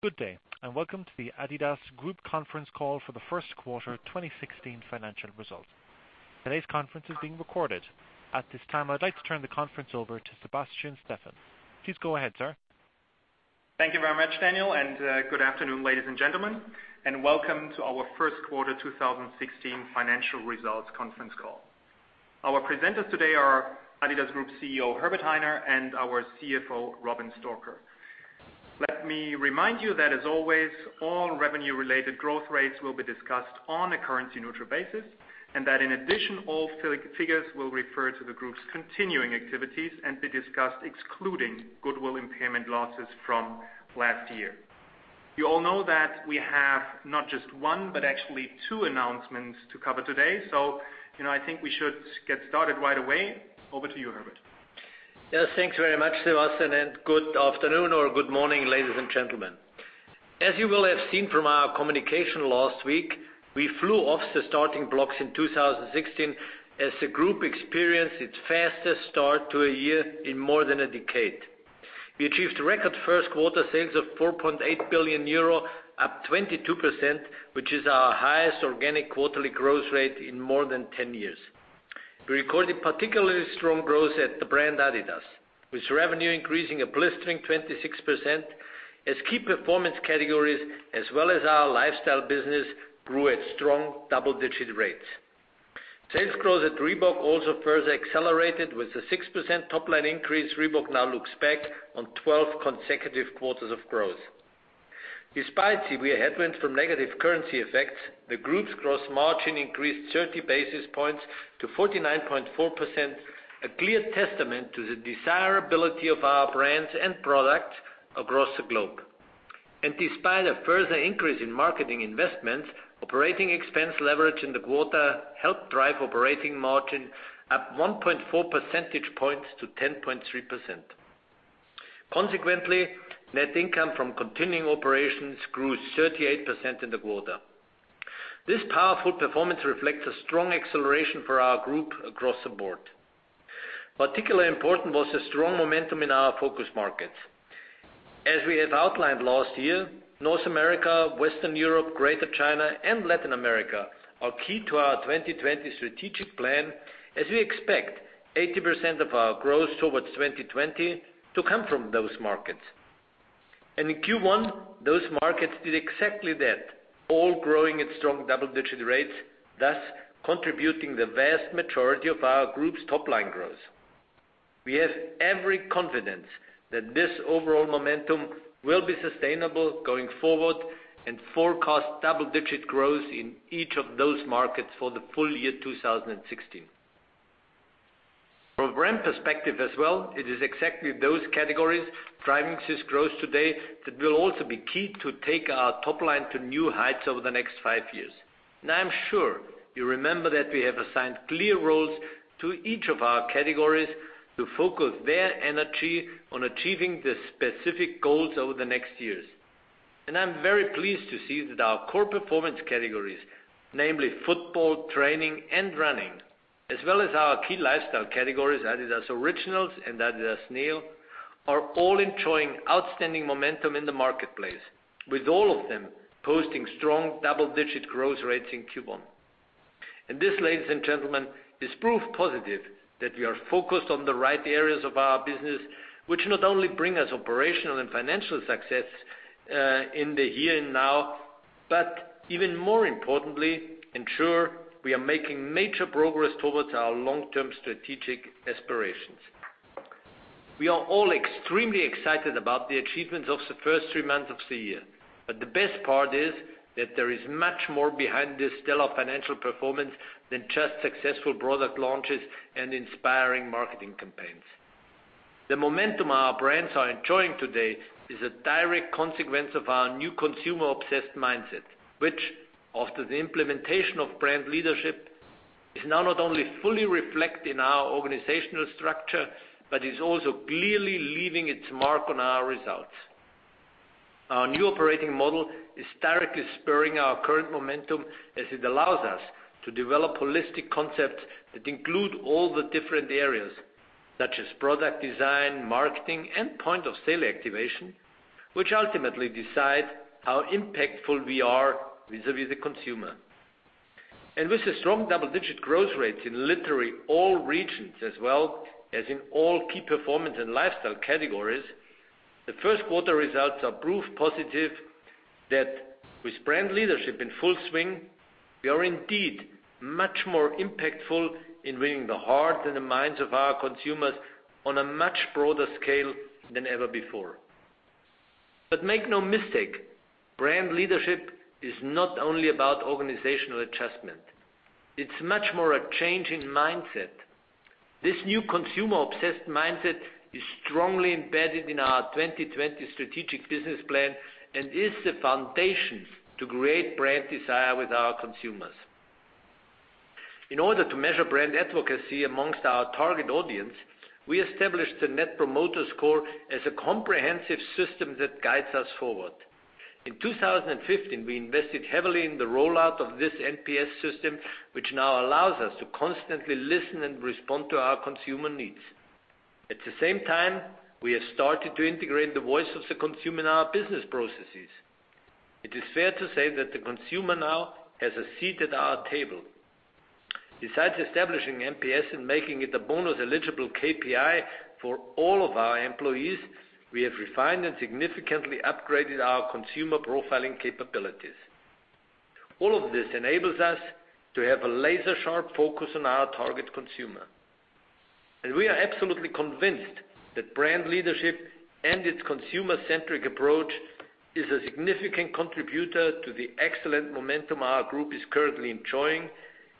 Good day, and welcome to the adidas Group conference call for the first quarter 2016 financial result. Today's conference is being recorded. At this time, I'd like to turn the conference over to Sebastian Steffen. Please go ahead, sir. Thank you very much, Daniel, and good afternoon, ladies and gentlemen, and welcome to our first quarter 2016 financial results conference call. Our presenters today are adidas Group CEO, Herbert Hainer, and our CFO, Robin Stalker. Let me remind you that as always, all revenue-related growth rates will be discussed on a currency-neutral basis, and that in addition, all figures will refer to the group's continuing activities and be discussed excluding goodwill impairment losses from last year. You all know that we have not just one, but actually two announcements to cover today. I think we should get started right away. Over to you, Herbert. Yes. Thanks very much, Sebastian, and good afternoon or good morning, ladies and gentlemen. As you will have seen from our communication last week, we flew off the starting blocks in 2016 as the group experienced its fastest start to a year in more than a decade. We achieved record first quarter sales of 4.8 billion euro, up 22%, which is our highest organic quarterly growth rate in more than 10 years. We recorded particularly strong growth at the brand adidas, with revenue increasing a blistering 26% as key performance categories, as well as our lifestyle business, grew at strong double-digit rates. Sales growth at Reebok also further accelerated. With the 6% top-line increase, Reebok now looks back on 12 consecutive quarters of growth. Despite the headwinds from negative currency effects, the group's gross margin increased 30 basis points to 49.4%, a clear testament to the desirability of our brands and products across the globe. Despite a further increase in marketing investments, operating expense leverage in the quarter helped drive operating margin up 1.4 percentage points to 10.3%. Consequently, net income from continuing operations grew 38% in the quarter. This powerful performance reflects a strong acceleration for our group across the board. Particularly important was the strong momentum in our focus markets. As we have outlined last year, North America, Western Europe, Greater China, and Latin America are key to our 2020 strategic plan, as we expect 80% of our growth towards 2020 to come from those markets. In Q1, those markets did exactly that, all growing at strong double-digit rates, thus contributing the vast majority of our group's top-line growth. We have every confidence that this overall momentum will be sustainable going forward and forecast double-digit growth in each of those markets for the full year 2016. From a brand perspective as well, it is exactly those categories driving this growth today that will also be key to take our top line to new heights over the next five years. I'm sure you remember that we have assigned clear roles to each of our categories to focus their energy on achieving the specific goals over the next years. I'm very pleased to see that our core performance categories, namely football, training, and running, as well as our key lifestyle categories, adidas Originals and adidas NEO, are all enjoying outstanding momentum in the marketplace, with all of them posting strong double-digit growth rates in Q1. This, ladies and gentlemen, is proof positive that we are focused on the right areas of our business, which not only bring us operational and financial success in the here and now, but even more importantly, ensure we are making major progress towards our long-term strategic aspirations. We are all extremely excited about the achievements of the first three months of the year. The best part is that there is much more behind this stellar financial performance than just successful product launches and inspiring marketing campaigns. The momentum our brands are enjoying today is a direct consequence of our new consumer-obsessed mindset, which, after the implementation of brand leadership, is now not only fully reflected in our organizational structure, but is also clearly leaving its mark on our results. Our new operating model is directly spurring our current momentum as it allows us to develop holistic concepts that include all the different areas such as product design, marketing, and point-of-sale activation, which ultimately decide how impactful we are vis-à-vis the consumer. With the strong double-digit growth rates in literally all regions as well as in all key performance and lifestyle categories, the first quarter results are proof positive that with brand leadership in full swing, we are indeed much more impactful in winning the heart and the minds of our consumers on a much broader scale than ever before. Make no mistake, brand leadership is not only about organizational adjustment. It's much more a change in mindset. This new consumer-obsessed mindset is strongly embedded in our 2020 Strategic Business Plan and is the foundation to great brand desire with our consumers. In order to measure brand advocacy amongst our target audience, we established the Net Promoter Score as a comprehensive system that guides us forward. In 2015, we invested heavily in the rollout of this NPS system, which now allows us to constantly listen and respond to our consumer needs. At the same time, we have started to integrate the voice of the consumer in our business processes. It is fair to say that the consumer now has a seat at our table. Besides establishing NPS and making it a bonus-eligible KPI for all of our employees, we have refined and significantly upgraded our consumer profiling capabilities. All of this enables us to have a laser-sharp focus on our target consumer. We are absolutely convinced that brand leadership and its consumer-centric approach is a significant contributor to the excellent momentum our group is currently enjoying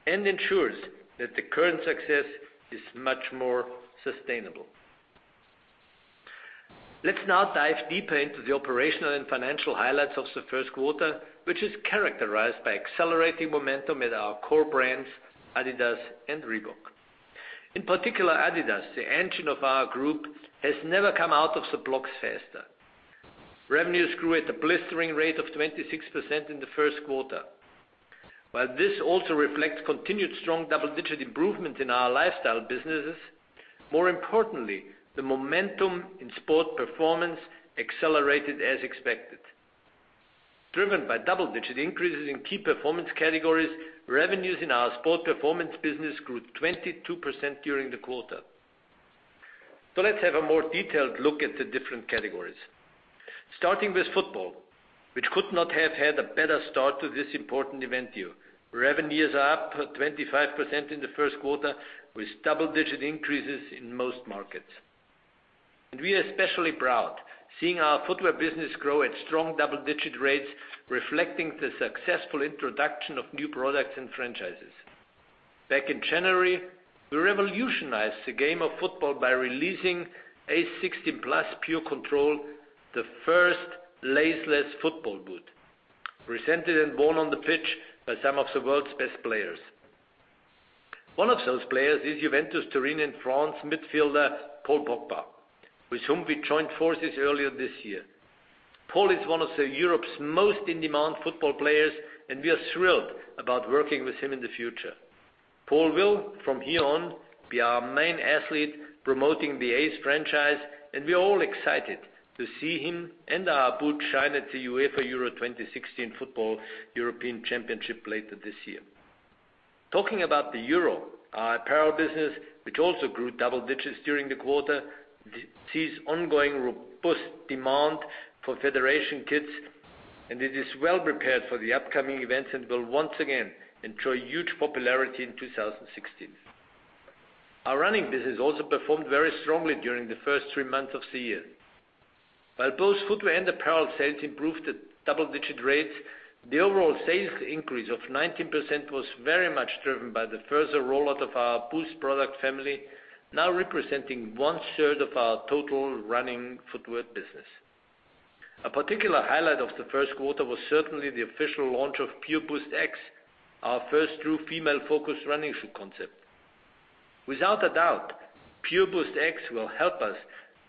and ensures that the current success is much more sustainable. Let's now dive deeper into the operational and financial highlights of the first quarter, which is characterized by accelerating momentum at our core brands, adidas and Reebok. In particular, adidas, the engine of our group, has never come out of the blocks faster. Revenues grew at a blistering rate of 26% in the first quarter. While this also reflects continued strong double-digit improvement in our lifestyle businesses, more importantly, the momentum in sport performance accelerated as expected. Driven by double-digit increases in key performance categories, revenues in our sport performance business grew 22% during the quarter. Let's have a more detailed look at the different categories. Starting with football, which could not have had a better start to this important event year. Revenues are up 25% in the first quarter, with double-digit increases in most markets. We are especially proud seeing our footwear business grow at strong double-digit rates, reflecting the successful introduction of new products and franchises. Back in January, we revolutionized the game of football by releasing ACE 16+ PureControl, the first laceless football boot. Presented and worn on the pitch by some of the world's best players. One of those players is Juventus, Turin, France midfielder, Paul Pogba, with whom we joined forces earlier this year. Paul is one of Europe's most in-demand football players, and we are thrilled about working with him in the future. Paul will, from here on, be our main athlete promoting the ACE franchise, and we are all excited to see him and our boot shine at the UEFA Euro 2016 football European Championship later this year. Talking about the Euro, our apparel business, which also grew double-digits during the quarter, sees ongoing robust demand for federation kits, and it is well prepared for the upcoming events and will once again enjoy huge popularity in 2016. Our running business also performed very strongly during the first three months of the year. While both footwear and apparel sales improved at double-digit rates, the overall sales increase of 19% was very much driven by the further rollout of our Boost product family, now representing one-third of our total running footwear business. A particular highlight of the first quarter was certainly the official launch of PureBOOST X, our first true female-focused running shoe concept. Without a doubt, PureBOOST X will help us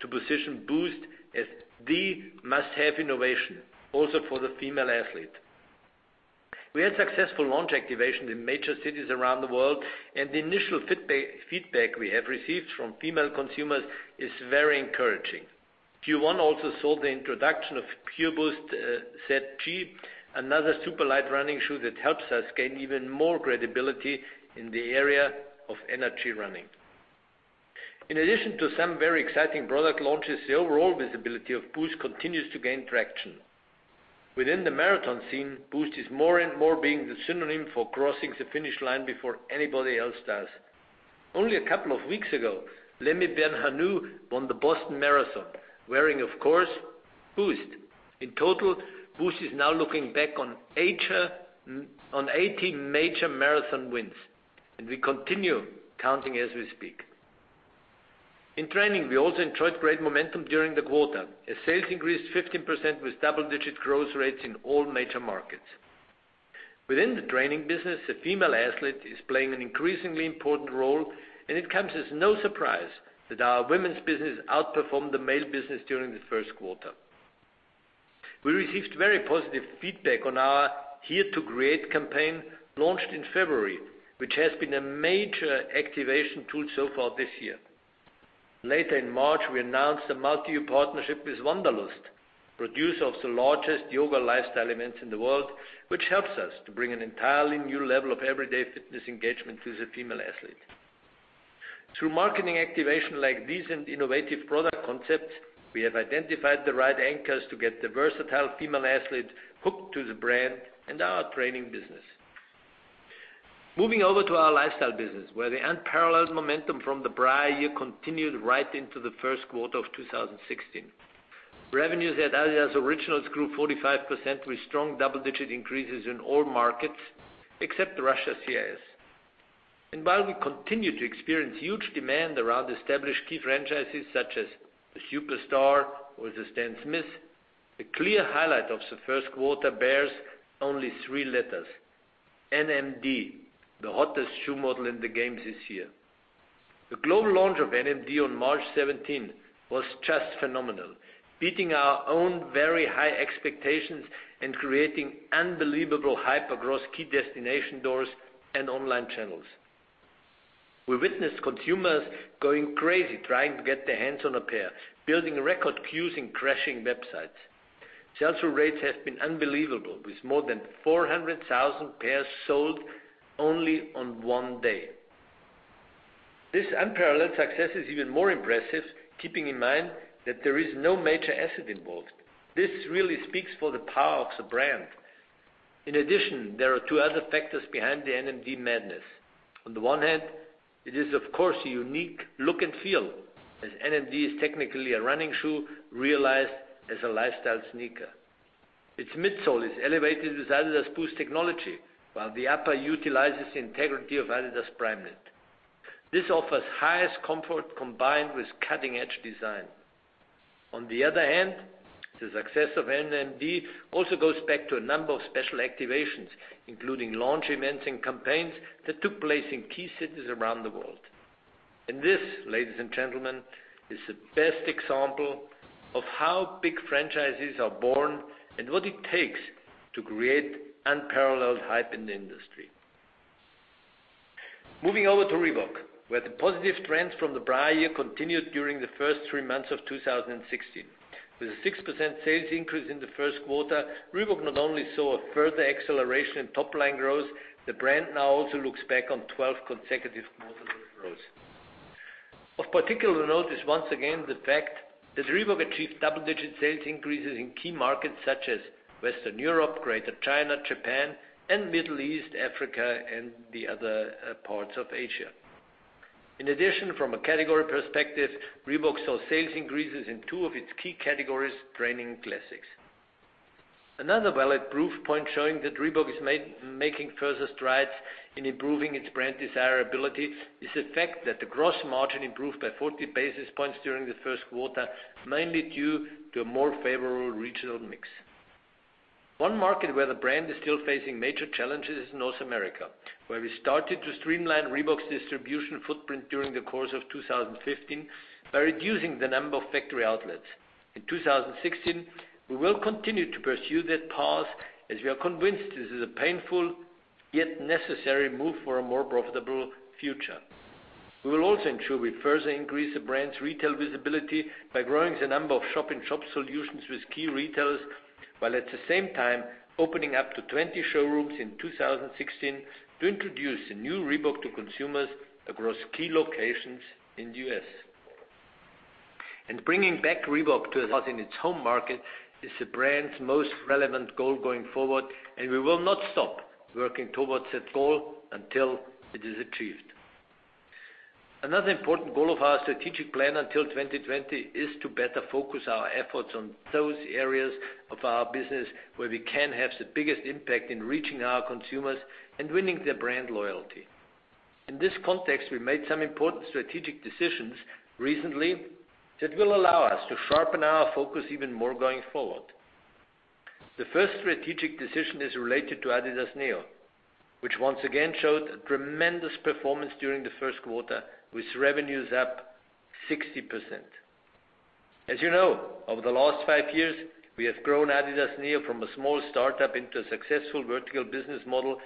to position Boost as the must-have innovation, also for the female athlete. We had successful launch activation in major cities around the world, and the initial feedback we have received from female consumers is very encouraging. Q1 also saw the introduction of PureBOOST ZG, another super light running shoe that helps us gain even more credibility in the area of energy running. In addition to some very exciting product launches, the overall visibility of Boost continues to gain traction. Within the marathon scene, Boost is more and more being the synonym for crossing the finish line before anybody else does. Only a couple of weeks ago, Lemi Berhanu won the Boston Marathon, wearing, of course, Boost. In total, Boost is now looking back on 18 major marathon wins, and we continue counting as we speak. In training, we also enjoyed great momentum during the quarter. As sales increased 15% with double-digit growth rates in all major markets. Within the training business, the female athlete is playing an increasingly important role, and it comes as no surprise that our women's business outperformed the male business during the first quarter. We received very positive feedback on our Here to Create campaign launched in February, which has been a major activation tool so far this year. Later in March, we announced a multi-year partnership with Wanderlust, producer of the largest yoga lifestyle events in the world, which helps us to bring an entirely new level of everyday fitness engagement to the female athlete. Through marketing activation like these and innovative product concepts, we have identified the right anchors to get the versatile female athlete hooked to the brand and our training business. Moving over to our lifestyle business, where the unparalleled momentum from the prior year continued right into the first quarter of 2016. Revenues at adidas Originals grew 45% with strong double-digit increases in all markets, except Russia CIS. While we continue to experience huge demand around established key franchises such as the Superstar or the Stan Smith, the clear highlight of the first quarter bears only three letters, NMD, the hottest shoe model in the games this year. The global launch of NMD on March 17 was just phenomenal, beating our own very high expectations and creating unbelievable hype across key destination doors and online channels. We witnessed consumers going crazy trying to get their hands on a pair, building record queues and crashing websites. Sell-through rates have been unbelievable, with more than 400,000 pairs sold only on one day. This unparalleled success is even more impressive, keeping in mind that there is no major asset involved. This really speaks for the power of the brand. In addition, there are two other factors behind the NMD madness. On the one hand, it is, of course, a unique look and feel, as NMD is technically a running shoe realized as a lifestyle sneaker. Its midsole is elevated with adidas Boost technology, while the upper utilizes the integrity of adidas Primeknit. This offers highest comfort combined with cutting-edge design. On the other hand, the success of NMD also goes back to a number of special activations, including launch events and campaigns that took place in key cities around the world. This, ladies and gentlemen, is the best example of how big franchises are born and what it takes to create unparalleled hype in the industry. Moving over to Reebok, where the positive trends from the prior year continued during the first three months of 2016. With a 6% sales increase in the first quarter, Reebok not only saw a further acceleration in top line growth, the brand now also looks back on 12 consecutive quarters of growth. Of particular note is once again the fact that Reebok achieved double-digit sales increases in key markets such as Western Europe, Greater China, Japan, and Middle East, Africa, and the other parts of Asia. In addition, from a category perspective, Reebok saw sales increases in two of its key categories, training and classics. Another valid proof point showing that Reebok is making further strides in improving its brand desirability is the fact that the gross margin improved by 40 basis points during the first quarter, mainly due to a more favorable regional mix. One market where the brand is still facing major challenges is North America, where we started to streamline Reebok's distribution footprint during the course of 2015 by reducing the number of factory outlets. In 2016, we will continue to pursue that path as we are convinced this is a painful, yet necessary move for a more profitable future. We will also ensure we further increase the brand's retail visibility by growing the number of shop-in-shop solutions with key retailers, while at the same time opening up to 20 showrooms in 2016 to introduce the new Reebok to consumers across key locations in the U.S. Bringing back Reebok to us in its home market is the brand's most relevant goal going forward, and we will not stop working towards that goal until it is achieved. Another important goal of our strategic plan until 2020 is to better focus our efforts on those areas of our business where we can have the biggest impact in reaching our consumers and winning their brand loyalty. In this context, we made some important strategic decisions recently that will allow us to sharpen our focus even more going forward. The first strategic decision is related to adidas NEO, which once again showed a tremendous performance during the first quarter, with revenues up 60%. As you know, over the last five years, we have grown adidas NEO from a small startup into a successful vertical business model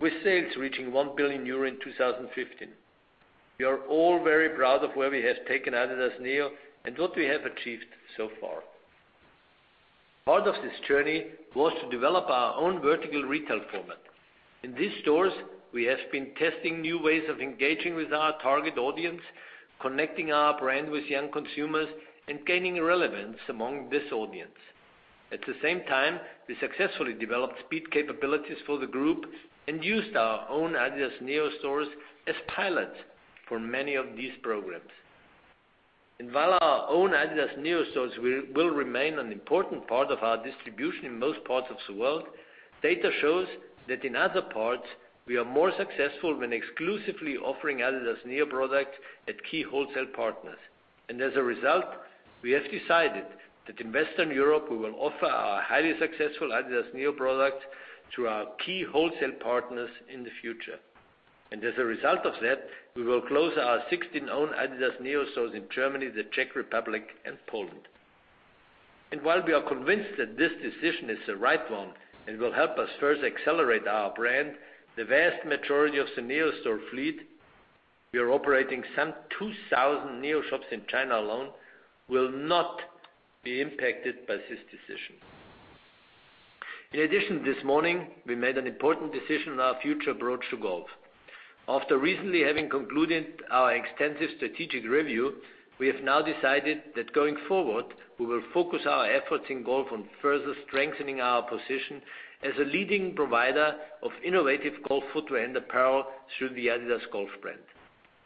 with sales reaching 1 billion euro in 2015. We are all very proud of where we have taken adidas NEO and what we have achieved so far. Part of this journey was to develop our own vertical retail format. In these stores, we have been testing new ways of engaging with our target audience, connecting our brand with young consumers, and gaining relevance among this audience. At the same time, we successfully developed speed capabilities for the group and used our own adidas NEO stores as pilots for many of these programs. While our own adidas NEO stores will remain an important part of our distribution in most parts of the world, data shows that in other parts, we are more successful when exclusively offering adidas NEO products at key wholesale partners. As a result, we have decided that in Western Europe, we will offer our highly successful adidas NEO products through our key wholesale partners in the future. As a result of that, we will close our 16 own adidas NEO stores in Germany, the Czech Republic, and Poland. While we are convinced that this decision is the right one and will help us further accelerate our brand, the vast majority of the NEO store fleet, we are operating some 2,000 NEO shops in China alone, will not be impacted by this decision. In addition, this morning, we made an important decision on our future approach to golf. After recently having concluded our extensive strategic review, we have now decided that going forward, we will focus our efforts in golf on further strengthening our position as a leading provider of innovative golf footwear and apparel through the adidas Golf brand.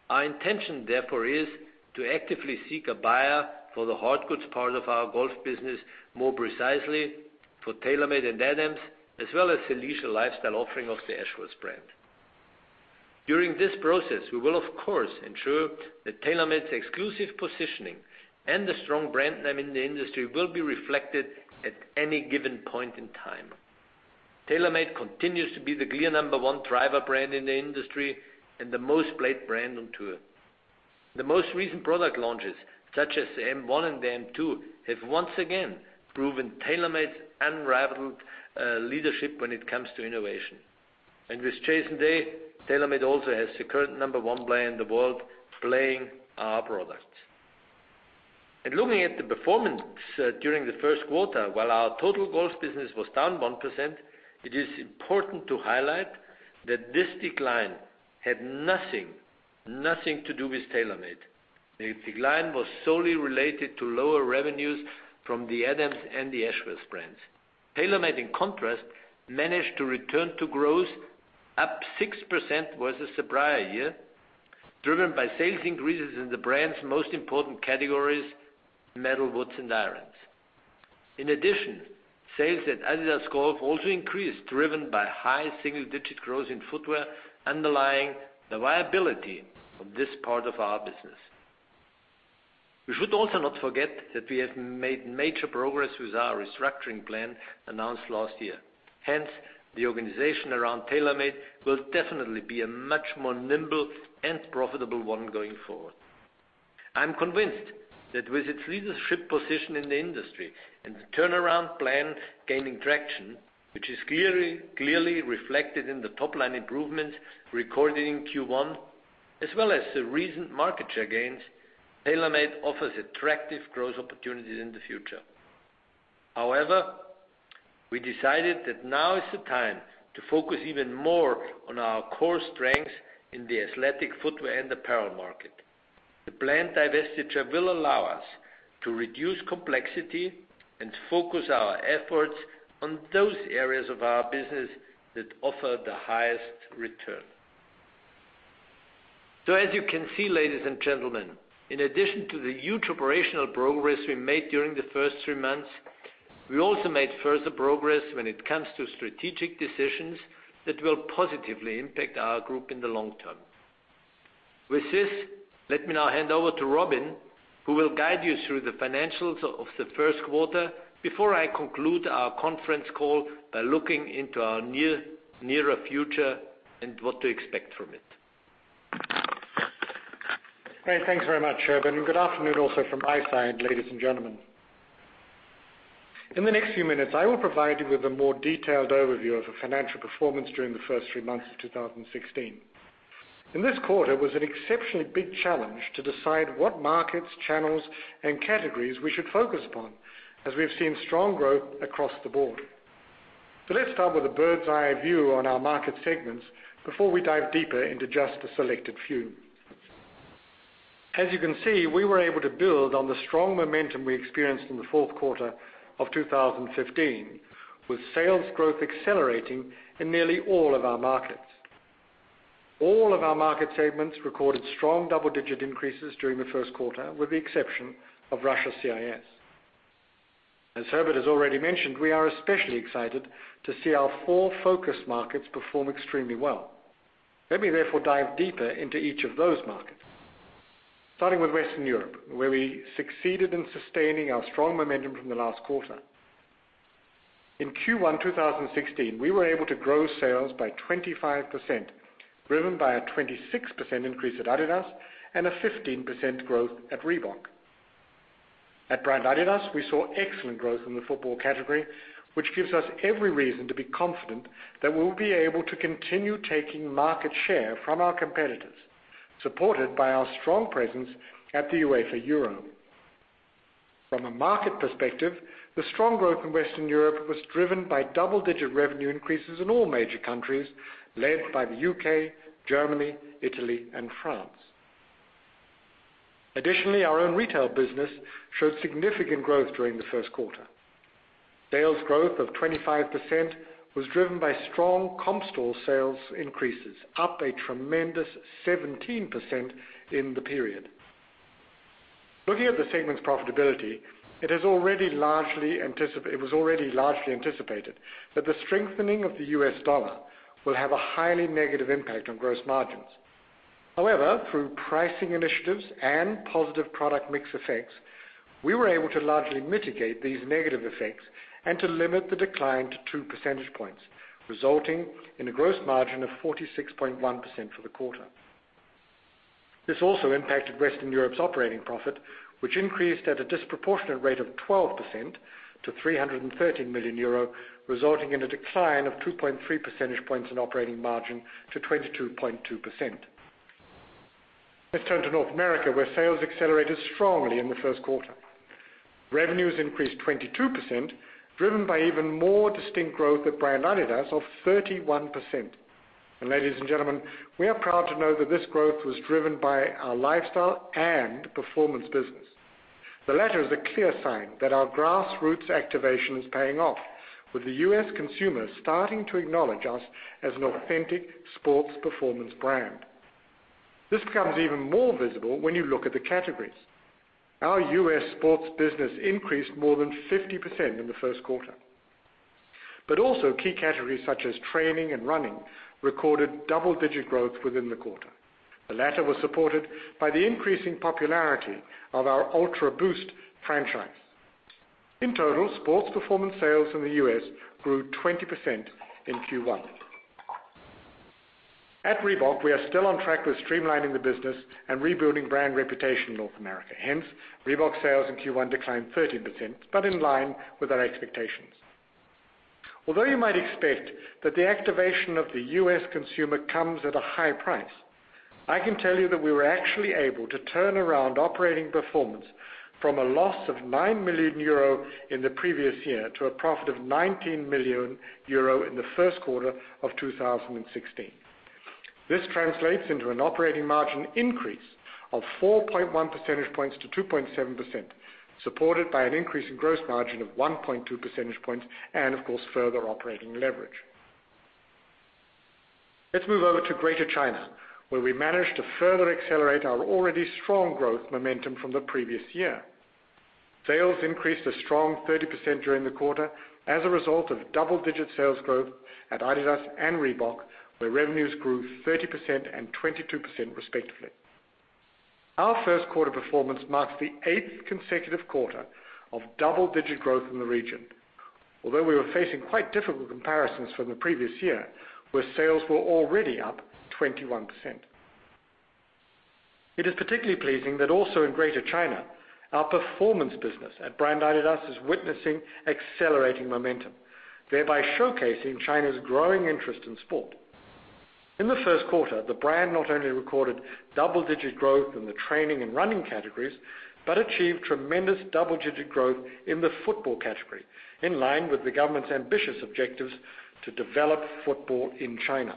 Our intention, therefore, is to actively seek a buyer for the hardgoods part of our golf business, more precisely for TaylorMade and Adams, as well as the leisure lifestyle offering of the Ashworth brand. During this process, we will of course ensure that TaylorMade's exclusive positioning and the strong brand name in the industry will be reflected at any given point in time. TaylorMade continues to be the clear number one driver brand in the industry and the most played brand on tour. The most recent product launches, such as the M1 and the M2, have once again proven TaylorMade's unrivaled leadership when it comes to innovation. With Jason Day, TaylorMade also has the current number one player in the world playing our products. In looking at the performance during the first quarter, while our total golf business was down 1%, it is important to highlight that this decline had nothing to do with TaylorMade. The decline was solely related to lower revenues from the Adams and the Ashworth brands. TaylorMade, in contrast, managed to return to growth, up 6% versus the prior year, driven by sales increases in the brand's most important categories, metalwoods and irons. In addition, sales at adidas Golf also increased, driven by high single-digit growth in footwear, underlying the viability of this part of our business. We should also not forget that we have made major progress with our restructuring plan announced last year. Hence, the organization around TaylorMade will definitely be a much more nimble and profitable one going forward. I'm convinced that with its leadership position in the industry and the turnaround plan gaining traction, which is clearly reflected in the top-line improvements recorded in Q1, as well as the recent market share gains, TaylorMade offers attractive growth opportunities in the future. However, we decided that now is the time to focus even more on our core strengths in the athletic footwear and apparel market. The planned divestiture will allow us to reduce complexity and focus our efforts on those areas of our business that offer the highest return. As you can see, ladies and gentlemen, in addition to the huge operational progress we made during the first three months, we also made further progress when it comes to strategic decisions that will positively impact our group in the long term. With this, let me now hand over to Robin, who will guide you through the financials of the first quarter before I conclude our conference call by looking into our nearer future and what to expect from it. Great. Thanks very much, Herbert, and good afternoon also from my side, ladies and gentlemen. In the next few minutes, I will provide you with a more detailed overview of the financial performance during the first three months of 2016. In this quarter, it was an exceptionally big challenge to decide what markets, channels, and categories we should focus upon as we have seen strong growth across the board. Let's start with a bird's-eye view on our market segments before we dive deeper into just a selected few. As you can see, we were able to build on the strong momentum we experienced in the fourth quarter of 2015, with sales growth accelerating in nearly all of our markets. All of our market segments recorded strong double-digit increases during the first quarter, with the exception of Russia CIS. As Herbert has already mentioned, we are especially excited to see our four focus markets perform extremely well. Let me therefore dive deeper into each of those markets. Starting with Western Europe, where we succeeded in sustaining our strong momentum from the last quarter. In Q1 2016, we were able to grow sales by 25%, driven by a 26% increase at adidas and a 15% growth at Reebok. At brand adidas, we saw excellent growth in the football category, which gives us every reason to be confident that we will be able to continue taking market share from our competitors, supported by our strong presence at the UEFA Euro. From a market perspective, the strong growth in Western Europe was driven by double-digit revenue increases in all major countries, led by the U.K., Germany, Italy, and France. Additionally, our own retail business showed significant growth during the first quarter. Sales growth of 25% was driven by strong comp store sales increases, up a tremendous 17% in the period. Looking at the segment's profitability, it was already largely anticipated that the strengthening of the U.S. dollar will have a highly negative impact on gross margins. However, through pricing initiatives and positive product mix effects, we were able to largely mitigate these negative effects and to limit the decline to two percentage points, resulting in a gross margin of 46.1% for the quarter. This also impacted Western Europe's operating profit, which increased at a disproportionate rate of 12% to 313 million euro, resulting in a decline of 2.3 percentage points in operating margin to 22.2%. Let's turn to North America, where sales accelerated strongly in the first quarter. Revenues increased 22%, driven by even more distinct growth at brand adidas of 31%. Ladies and gentlemen, we are proud to know that this growth was driven by our lifestyle and performance business. The latter is a clear sign that our grassroots activation is paying off, with the U.S. consumer starting to acknowledge us as an authentic sports performance brand. This becomes even more visible when you look at the categories. Our U.S. sports business increased more than 50% in the first quarter. Also key categories such as training and running recorded double-digit growth within the quarter. The latter was supported by the increasing popularity of our UltraBOOST franchise. In total, sports performance sales in the U.S. grew 20% in Q1. At Reebok, we are still on track with streamlining the business and rebuilding brand reputation in North America. Hence, Reebok sales in Q1 declined 13%, in line with our expectations. Although you might expect that the activation of the U.S. consumer comes at a high price, I can tell you that we were actually able to turn around operating performance from a loss of 9 million euro in the previous year to a profit of 19 million euro in the first quarter of 2016. This translates into an operating margin increase of 4.1 percentage points to 2.7%, supported by an increase in gross margin of 1.2 percentage points, and, of course, further operating leverage. Let's move over to Greater China, where we managed to further accelerate our already strong growth momentum from the previous year. Sales increased a strong 30% during the quarter as a result of double-digit sales growth at adidas and Reebok, where revenues grew 30% and 22% respectively. Our first quarter performance marks the eighth consecutive quarter of double-digit growth in the region. Although we were facing quite difficult comparisons from the previous year, where sales were already up 21%. It is particularly pleasing that also in Greater China, our performance business at brand adidas is witnessing accelerating momentum, thereby showcasing China's growing interest in sport. In the first quarter, the brand not only recorded double-digit growth in the training and running categories, but achieved tremendous double-digit growth in the football category, in line with the government's ambitious objectives to develop football in China.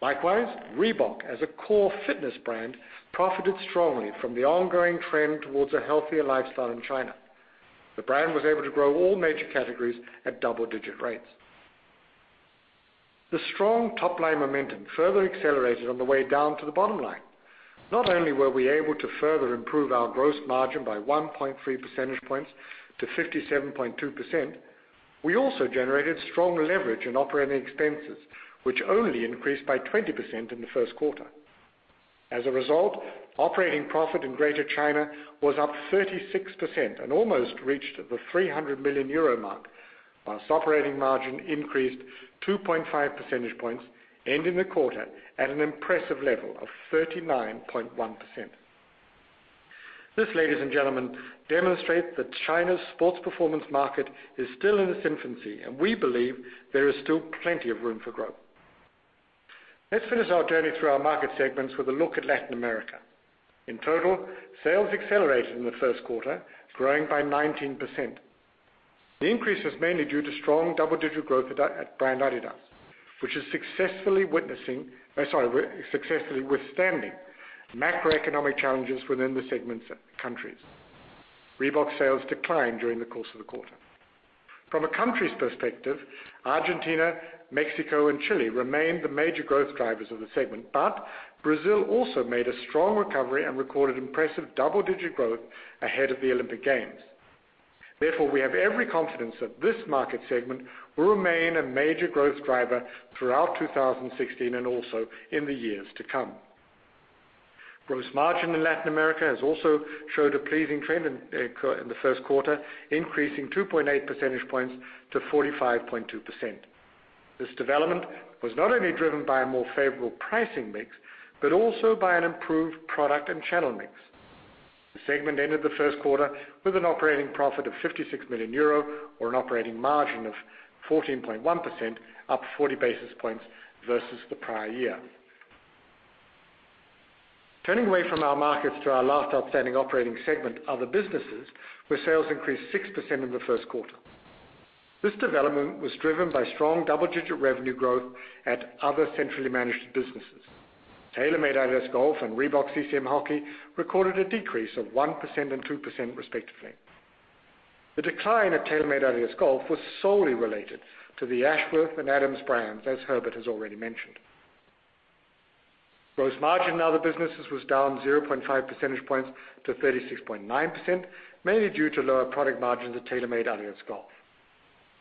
Likewise, Reebok, as a core fitness brand, profited strongly from the ongoing trend towards a healthier lifestyle in China. The brand was able to grow all major categories at double-digit rates. The strong top-line momentum further accelerated on the way down to the bottom line. Not only were we able to further improve our gross margin by 1.3 percentage points to 57.2%, we also generated strong leverage in operating expenses, which only increased by 20% in the first quarter. As a result, operating profit in Greater China was up 36% and almost reached the 300 million euro mark, whilst operating margin increased 2.5 percentage points, ending the quarter at an impressive level of 39.1%. This, ladies and gentlemen, demonstrates that China's sports performance market is still in its infancy, and we believe there is still plenty of room for growth. Let's finish our journey through our market segments with a look at Latin America. In total, sales accelerated in the first quarter, growing by 19%. The increase was mainly due to strong double-digit growth at brand adidas, which is successfully withstanding macroeconomic challenges within the segment's countries. Reebok sales declined during the course of the quarter. From a countries perspective, Argentina, Mexico, and Chile remained the major growth drivers of the segment, but Brazil also made a strong recovery and recorded impressive double-digit growth ahead of the Olympic Games. Therefore, we have every confidence that this market segment will remain a major growth driver throughout 2016 and also in the years to come. Gross margin in Latin America has also showed a pleasing trend in the first quarter, increasing 2.8 percentage points to 45.2%. This development was not only driven by a more favorable pricing mix, but also by an improved product and channel mix. The segment ended the first quarter with an operating profit of 56 million euro or an operating margin of 14.1%, up 40 basis points versus the prior year. Turning away from our markets to our last outstanding operating segment, other businesses, where sales increased 6% in the first quarter. This development was driven by strong double-digit revenue growth at other centrally managed businesses. TaylorMade-adidas Golf and Reebok-CCM Hockey recorded a decrease of 1% and 2%, respectively. The decline at TaylorMade-adidas Golf was solely related to the Ashworth and Adams Golf brands, as Herbert has already mentioned. Gross margin in other businesses was down 0.5 percentage points to 36.9%, mainly due to lower product margins at TaylorMade-adidas Golf.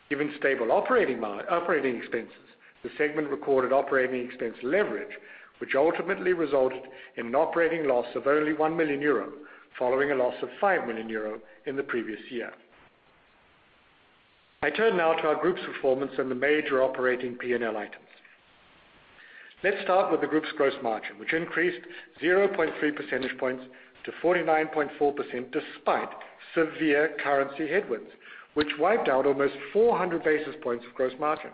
Given stable operating expenses, the segment recorded operating expense leverage, which ultimately resulted in an operating loss of only 1 million euro, following a loss of 5 million euro in the previous year. I turn now to our group's performance and the major operating P&L items. Let's start with the group's gross margin, which increased 0.3 percentage points to 49.4% despite severe currency headwinds, which wiped out almost 400 basis points of gross margin.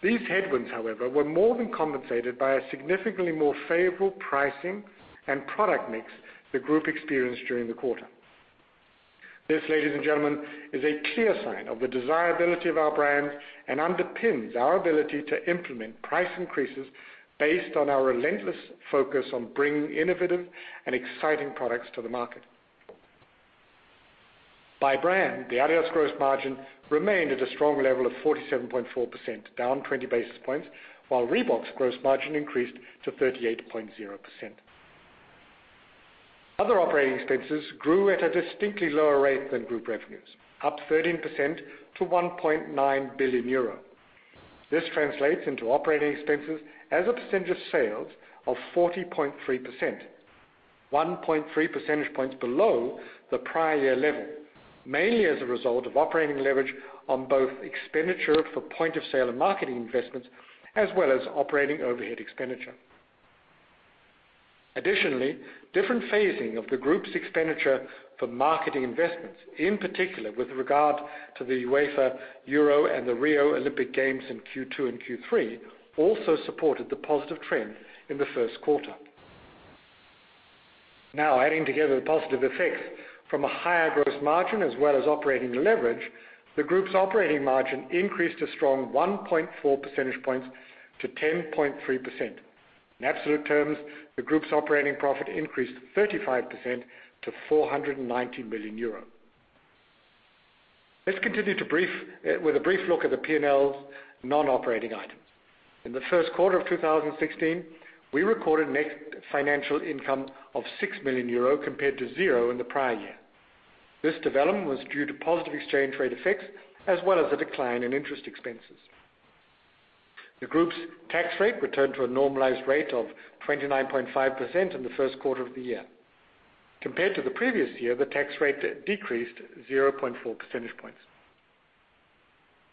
These headwinds, however, were more than compensated by a significantly more favorable pricing and product mix the group experienced during the quarter. This, ladies and gentlemen, is a clear sign of the desirability of our brands and underpins our ability to implement price increases based on our relentless focus on bringing innovative and exciting products to the market. By brand, the adidas gross margin remained at a strong level of 47.4%, down 20 basis points, while Reebok's gross margin increased to 38.0%. Other operating expenses grew at a distinctly lower rate than group revenues, up 13% to 1.9 billion euro. This translates into operating expenses as a percentage of sales of 40.3%, 1.3 percentage points below the prior year level, mainly as a result of operating leverage on both expenditure for point-of-sale and marketing investments, as well as operating overhead expenditure. Additionally, different phasing of the group's expenditure for marketing investments, in particular with regard to the UEFA Euro and the Rio Olympic Games in Q2 and Q3, also supported the positive trend in the first quarter. Adding together the positive effects from a higher gross margin as well as operating leverage, the group's operating margin increased a strong 1.4 percentage points to 10.3%. In absolute terms, the group's operating profit increased 35% to EUR 490 million. In the first quarter of 2016, we recorded net financial income of 6 million euro compared to 0 in the prior year. This development was due to positive exchange rate effects, as well as a decline in interest expenses. The group's tax rate returned to a normalized rate of 29.5% in the first quarter of the year. Compared to the previous year, the tax rate decreased 0.4 percentage points.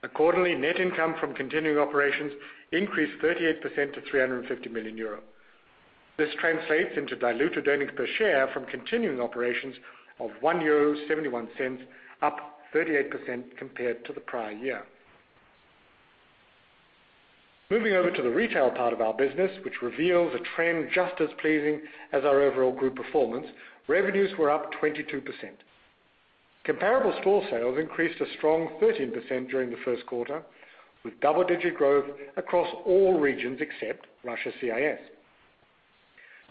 Accordingly, net income from continuing operations increased 38% to 350 million euro. This translates into diluted earnings per share from continuing operations of 1.71 euro, up 38% compared to the prior year. Moving over to the retail part of our business, which reveals a trend just as pleasing as our overall group performance, revenues were up 22%. Comparable store sales increased a strong 13% during the first quarter, with double-digit growth across all regions except Russia CIS.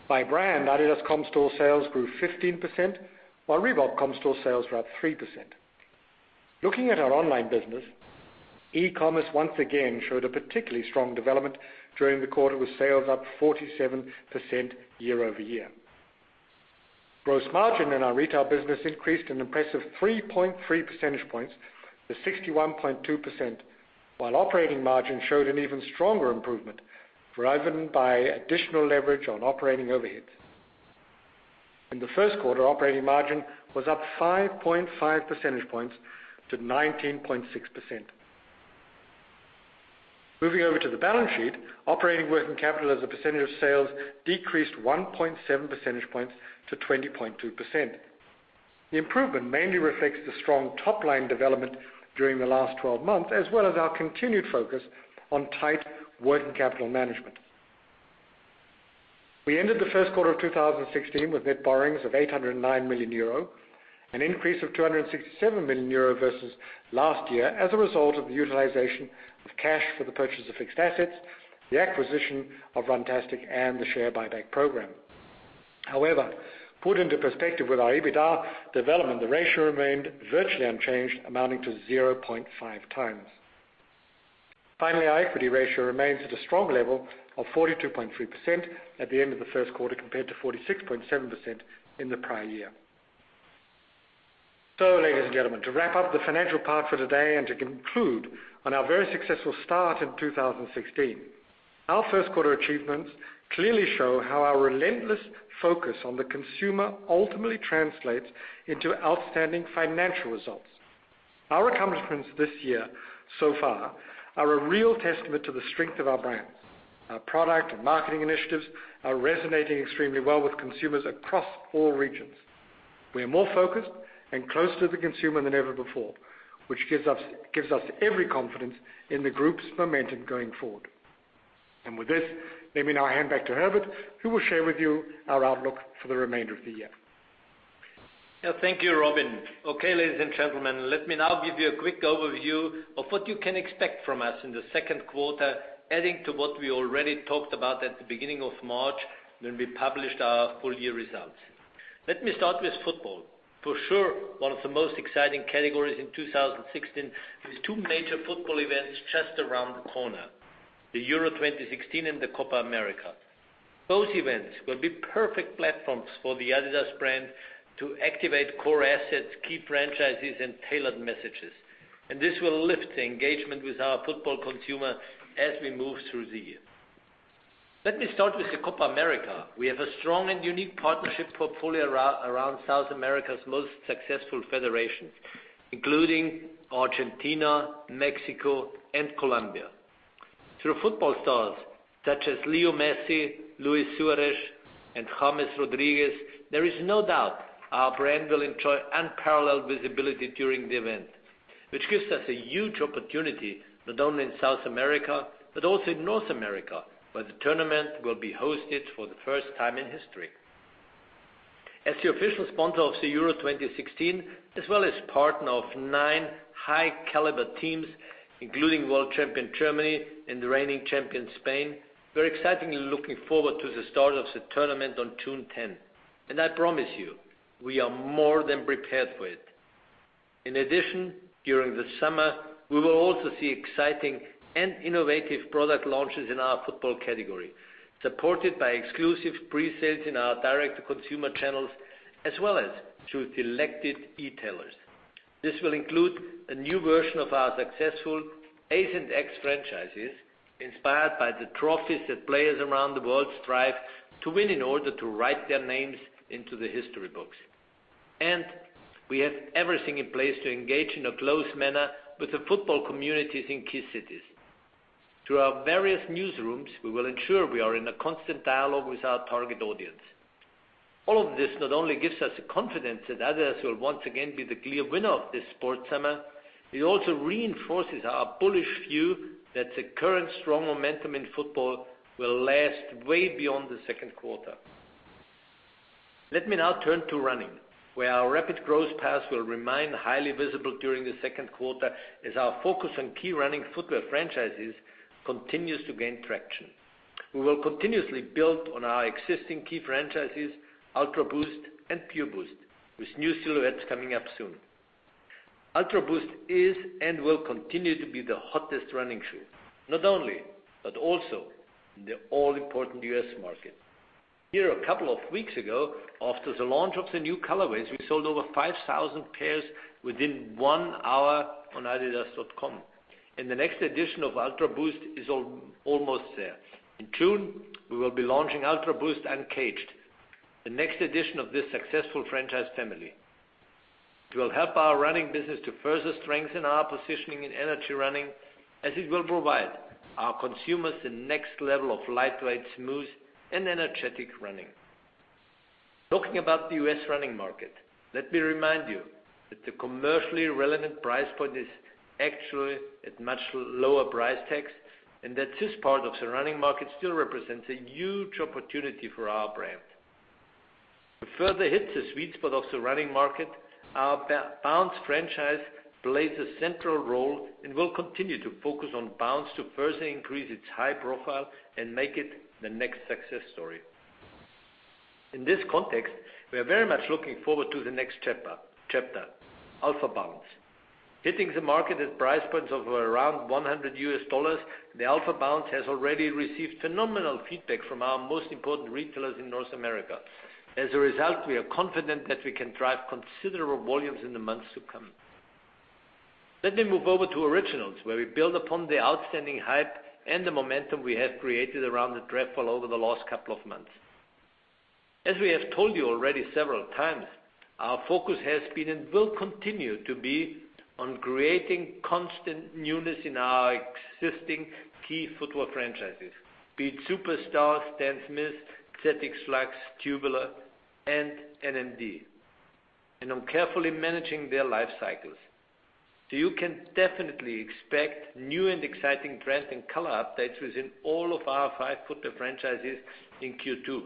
By brand, adidas comp store sales grew 15%, while Reebok comp store sales were up 3%. Looking at our online business, e-commerce once again showed a particularly strong development during the quarter with sales up 47% year-over-year. Gross margin in our retail business increased an impressive 3.3 percentage points to 61.2%, while operating margin showed an even stronger improvement, driven by additional leverage on operating overheads. In the first quarter, operating margin was up 5.5 percentage points to 19.6%. Moving over to the balance sheet, operating working capital as a percentage of sales decreased 1.7 percentage points to 20.2%. The improvement mainly reflects the strong top-line development during the last 12 months, as well as our continued focus on tight working capital management. We ended the first quarter of 2016 with net borrowings of 809 million euro, an increase of 267 million euro versus last year as a result of the utilization of cash for the purchase of fixed assets, the acquisition of Runtastic, and the share buyback program. However, put into perspective with our EBITDA development, the ratio remained virtually unchanged, amounting to 0.5 times. Finally, our equity ratio remains at a strong level of 42.3% at the end of the first quarter, compared to 46.7% in the prior year. Ladies and gentlemen, to wrap up the financial part for today and to conclude on our very successful start in 2016. Our first quarter achievements clearly show how our relentless focus on the consumer ultimately translates into outstanding financial results. Our accomplishments this year so far are a real testament to the strength of our brands. Our product and marketing initiatives are resonating extremely well with consumers across all regions. We are more focused and closer to the consumer than ever before, which gives us every confidence in the group's momentum going forward. With this, let me now hand back to Herbert, who will share with you our outlook for the remainder of the year. Thank you, Robin. Ladies and gentlemen, let me now give you a quick overview of what you can expect from us in the second quarter, adding to what we already talked about at the beginning of March when we published our full-year results. Let me start with football. For sure, one of the most exciting categories in 2016 with two major football events just around the corner, the Euro 2016 and the Copa América. Those events will be perfect platforms for the adidas brand to activate core assets, key franchises, and tailored messages. This will lift the engagement with our football consumer as we move through the year. Let me start with the Copa América. We have a strong and unique partnership portfolio around South America's most successful federations, including Argentina, Mexico, and Colombia. Through football stars such as Lionel Messi, Luis Suárez, and James Rodríguez, there is no doubt our brand will enjoy unparalleled visibility during the event, which gives us a huge opportunity not only in South America, but also in North America, where the tournament will be hosted for the first time in history. As the official sponsor of the Euro 2016, as well as partner of nine high-caliber teams, including world champion Germany and reigning champion Spain, we're excitedly looking forward to the start of the tournament on June 10. I promise you, we are more than prepared for it. In addition, during the summer, we will also see exciting and innovative product launches in our football category, supported by exclusive pre-sales in our direct-to-consumer channels as well as through selected e-tailers. This will include a new version of our successful ACE and X franchises, inspired by the trophies that players around the world strive to win in order to write their names into the history books. We have everything in place to engage in a close manner with the football communities in key cities. Through our various newsrooms, we will ensure we are in a constant dialogue with our target audience. All of this not only gives us the confidence that adidas will once again be the clear winner of this sports summer, it also reinforces our bullish view that the current strong momentum in football will last way beyond the second quarter. Let me now turn to running, where our rapid growth path will remain highly visible during the second quarter, as our focus on key running footwear franchises continues to gain traction. We will continuously build on our existing key franchises, UltraBOOST and PureBOOST, with new silhouettes coming up soon. UltraBOOST is and will continue to be the hottest running shoe, not only, but also in the all-important U.S. market. Here, a couple of weeks ago, after the launch of the new colorways, we sold over 5,000 pairs within one hour on adidas.com. The next edition of UltraBOOST is almost there. In June, we will be launching UltraBOOST Uncaged, the next edition of this successful franchise family. It will help our running business to further strengthen our positioning in energy running, as it will provide our consumers the next level of lightweight, smooth, and energetic running. Talking about the U.S. running market, let me remind you that the commercially relevant price point is actually at much lower price tags, that this part of the running market still represents a huge opportunity for our brand. To further hit the sweet spot of the running market, our Bounce franchise plays a central role and will continue to focus on Bounce to further increase its high profile and make it the next success story. In this context, we are very much looking forward to the next chapter, UltraBOOST. Hitting the market at price points of around $100, the UltraBOOST has already received phenomenal feedback from our most important retailers in North America. As a result, we are confident that we can drive considerable volumes in the months to come. Let me move over to Originals, where we build upon the outstanding hype and the momentum we have created around the NMD over the last couple of months. As we have told you already several times, our focus has been and will continue to be on creating constant newness in our existing key footwear franchises, be it Superstar, Stan Smith, ZX Flux, Tubular, and NMD, and on carefully managing their life cycles. You can definitely expect new and exciting brand and color updates within all of our five footwear franchises in Q2,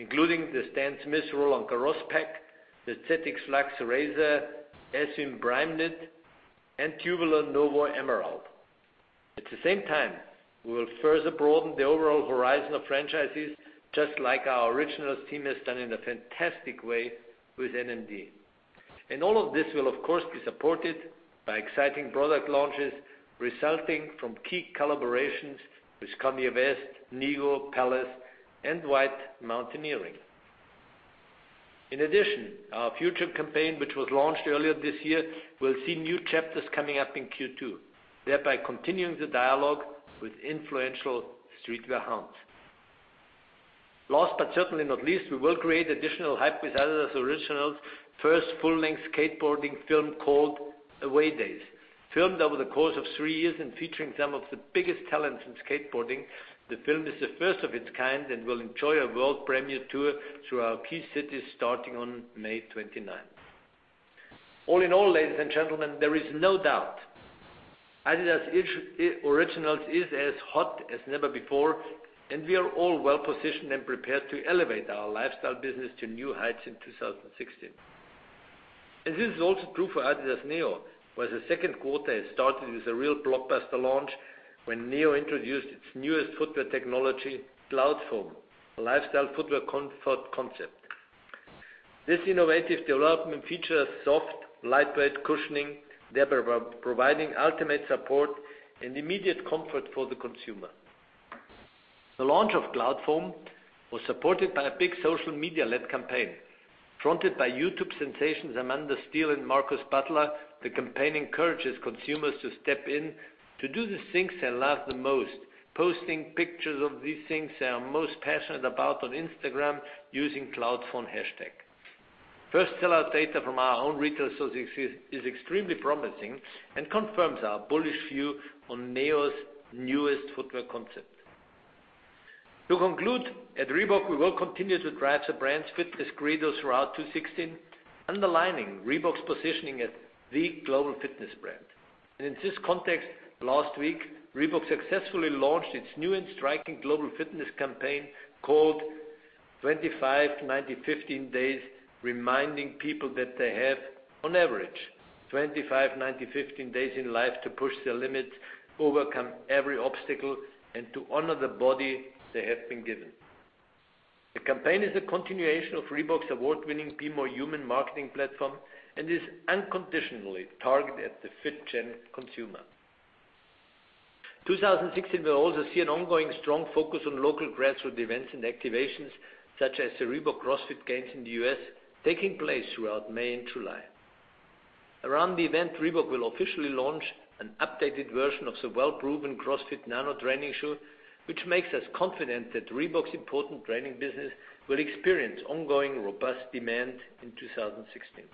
including the Stan Smith Roland Garros Pack, the ZX Flux Racer, S.E. in Primeknit, and Tubular Nova Emerald. At the same time, we will further broaden the overall horizon of franchises, just like our Originals team has done in a fantastic way with NMD. All of this will, of course, be supported by exciting product launches resulting from key collaborations with Kanye West, Nigo, Palace, and White Mountaineering. In addition, our future campaign, which was launched earlier this year, will see new chapters coming up in Q2, thereby continuing the dialogue with influential streetwear hounds. Last but certainly not least, we will create additional hype with adidas Originals' first full-length skateboarding film called "Away Days." Filmed over the course of three years and featuring some of the biggest talents in skateboarding, the film is the first of its kind and will enjoy a world premiere tour through our key cities, starting on May 29th. All in all, ladies and gentlemen, there is no doubt, adidas Originals is as hot as never before, and we are all well-positioned and prepared to elevate our lifestyle business to new heights in 2016. This is also true for adidas NEO, where the second quarter has started with a real blockbuster launch when NEO introduced its newest footwear technology, Cloudfoam, a lifestyle footwear comfort concept. This innovative development features soft, lightweight cushioning, thereby providing ultimate support and immediate comfort for the consumer. The launch of Cloudfoam was supported by a big social media-led campaign. Fronted by YouTube sensations Amanda Steele and Marcus Butler, the campaign encourages consumers to step in to do the things they love the most, posting pictures of these things they are most passionate about on Instagram using Cloudfoam hashtag. First sell-out data from our own retail sources is extremely promising and confirms our bullish view on NEO's newest footwear concept. To conclude, at Reebok, we will continue to drive the brand's fitness credo throughout 2016, underlining Reebok's positioning as the global fitness brand. In this context, last week, Reebok successfully launched its new and striking global fitness campaign called 25,915 Days, reminding people that they have, on average, 25,915 days in life to push their limits, overcome every obstacle, and to honor the body they have been given. The campaign is a continuation of Reebok's award-winning Be More Human marketing platform and is unconditionally targeted at the FitGen consumer. 2016 will also see an ongoing strong focus on local grassroot events and activations, such as the Reebok CrossFit Games in the U.S., taking place throughout May and July. Around the event, Reebok will officially launch an updated version of the well-proven CrossFit Nano training shoe, which makes us confident that Reebok's important training business will experience ongoing robust demand in 2016.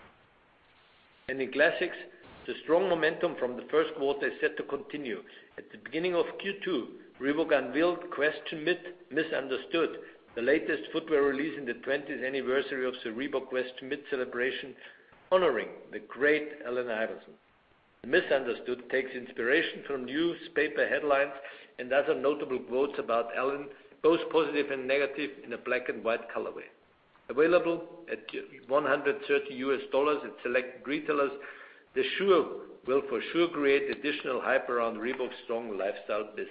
In classics, the strong momentum from the first quarter is set to continue. At the beginning of Q2, Reebok unveiled Question Mid "Misunderstood," the latest footwear release in the 20th anniversary of the Reebok Question Mid celebration, honoring the great Allen Iverson. The "Misunderstood" takes inspiration from newspaper headlines and other notable quotes about Allen, both positive and negative, in a black and white colorway. Available at $130 at select retailers, the shoe will for sure create additional hype around Reebok's strong lifestyle business.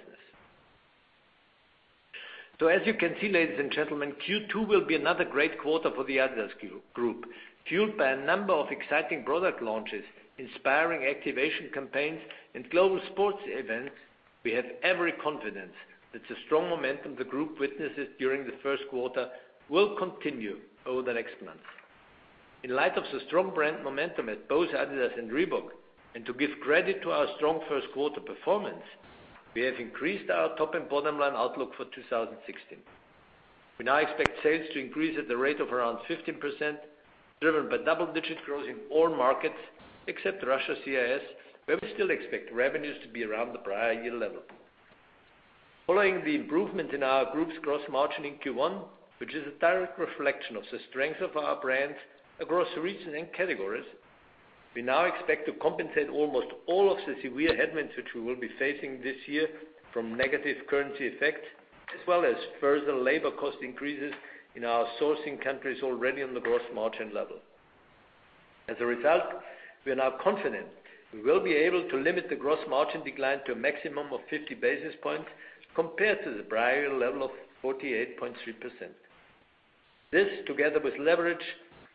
As you can see, ladies and gentlemen, Q2 will be another great quarter for the adidas Group. Fueled by a number of exciting product launches, inspiring activation campaigns, and global sports events, we have every confidence that the strong momentum the group witnesses during the first quarter will continue over the next months. In light of the strong brand momentum at both adidas and Reebok, and to give credit to our strong first quarter performance, we have increased our top and bottom-line outlook for 2016. We now expect sales to increase at the rate of around 15%, driven by double-digit growth in all markets except Russia CIS, where we still expect revenues to be around the prior year level. Following the improvement in our group's gross margin in Q1, which is a direct reflection of the strength of our brands across regions and categories, we now expect to compensate almost all of the severe headwinds, which we will be facing this year from negative currency effects as well as further labor cost increases in our sourcing countries already on the gross margin level. As a result, we are now confident we will be able to limit the gross margin decline to a maximum of 50 basis points compared to the prior year level of 48.3%. This, together with leverage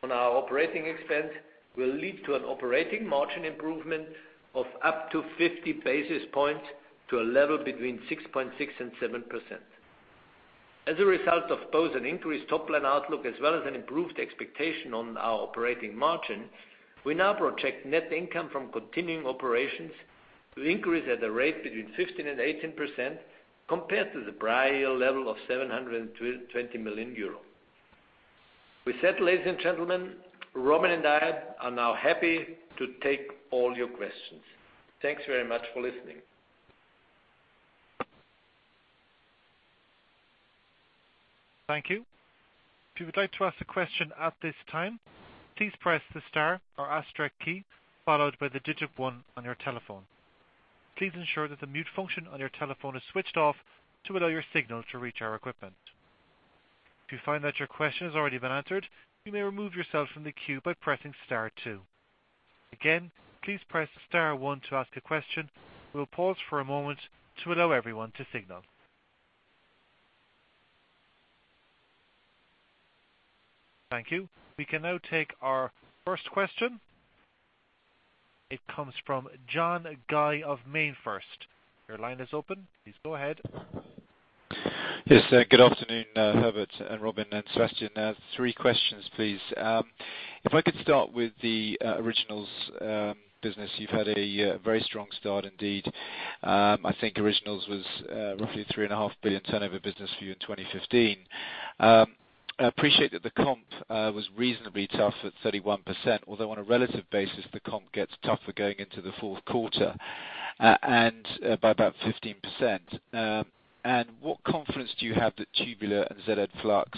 on our operating expense, will lead to an operating margin improvement of up to 50 basis points to a level between 6.6%-7%. As a result of both an increased top-line outlook as well as an improved expectation on our operating margin, we now project net income from continuing operations to increase at a rate between 15%-18% compared to the prior year level of 720 million euros. With that, ladies and gentlemen, Robin and I are now happy to take all your questions. Thanks very much for listening. Thank you. If you would like to ask a question at this time, please press the star or asterisk key followed by the digit 1 on your telephone. Please ensure that the mute function on your telephone is switched off to allow your signal to reach our equipment. If you find that your question has already been answered, you may remove yourself from the queue by pressing star 2. Again, please press star 1 to ask a question. We'll pause for a moment to allow everyone to signal. Thank you. We can now take our first question. It comes from John Guy of MainFirst. Your line is open. Please go ahead. Yes. Good afternoon, Herbert and Robin and Sebastian. 3 questions, please. If I could start with the Originals business. You've had a very strong start indeed. I think Originals was roughly 3.5 billion turnover business for you in 2015. I appreciate that the comp was reasonably tough at 31%, although on a relative basis, the comp gets tougher going into the fourth quarter by about 15%. What confidence do you have that Tubular and ZX Flux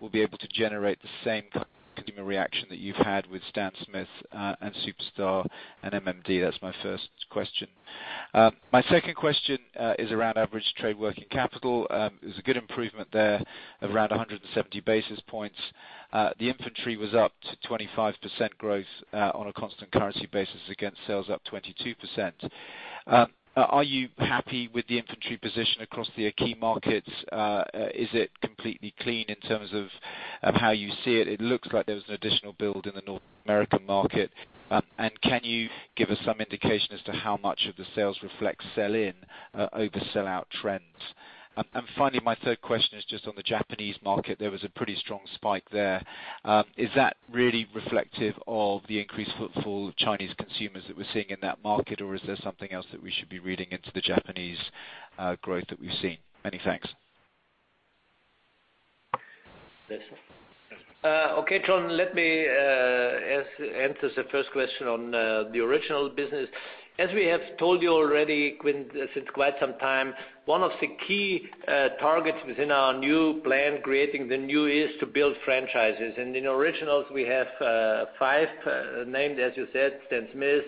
will be able to generate the same consumer reaction that you've had with Stan Smith and Superstar and NMD? That's my first question. My second question is around average trade working capital. There's a good improvement there of around 170 basis points. The inventory was up 25% growth on a constant currency basis against sales up 22%. Are you happy with the inventory position across the key markets? Is it completely clean in terms of how you see it? It looks like there was an additional build in the North American market. Can you give us some indication as to how much of the sales reflect sell in over sellout trends? Finally, my third question is just on the Japanese market. There was a pretty strong spike there. Is that really reflective of the increased footfall of Chinese consumers that we're seeing in that market, or is there something else that we should be reading into the Japanese growth that we've seen? Many thanks. Sebastian. John, let me answer the first question on the Originals business. As we have told you already since quite some time, one of the key targets within our new plan, Creating the New, is to build franchises. In Originals, we have five named, as you said, Stan Smith,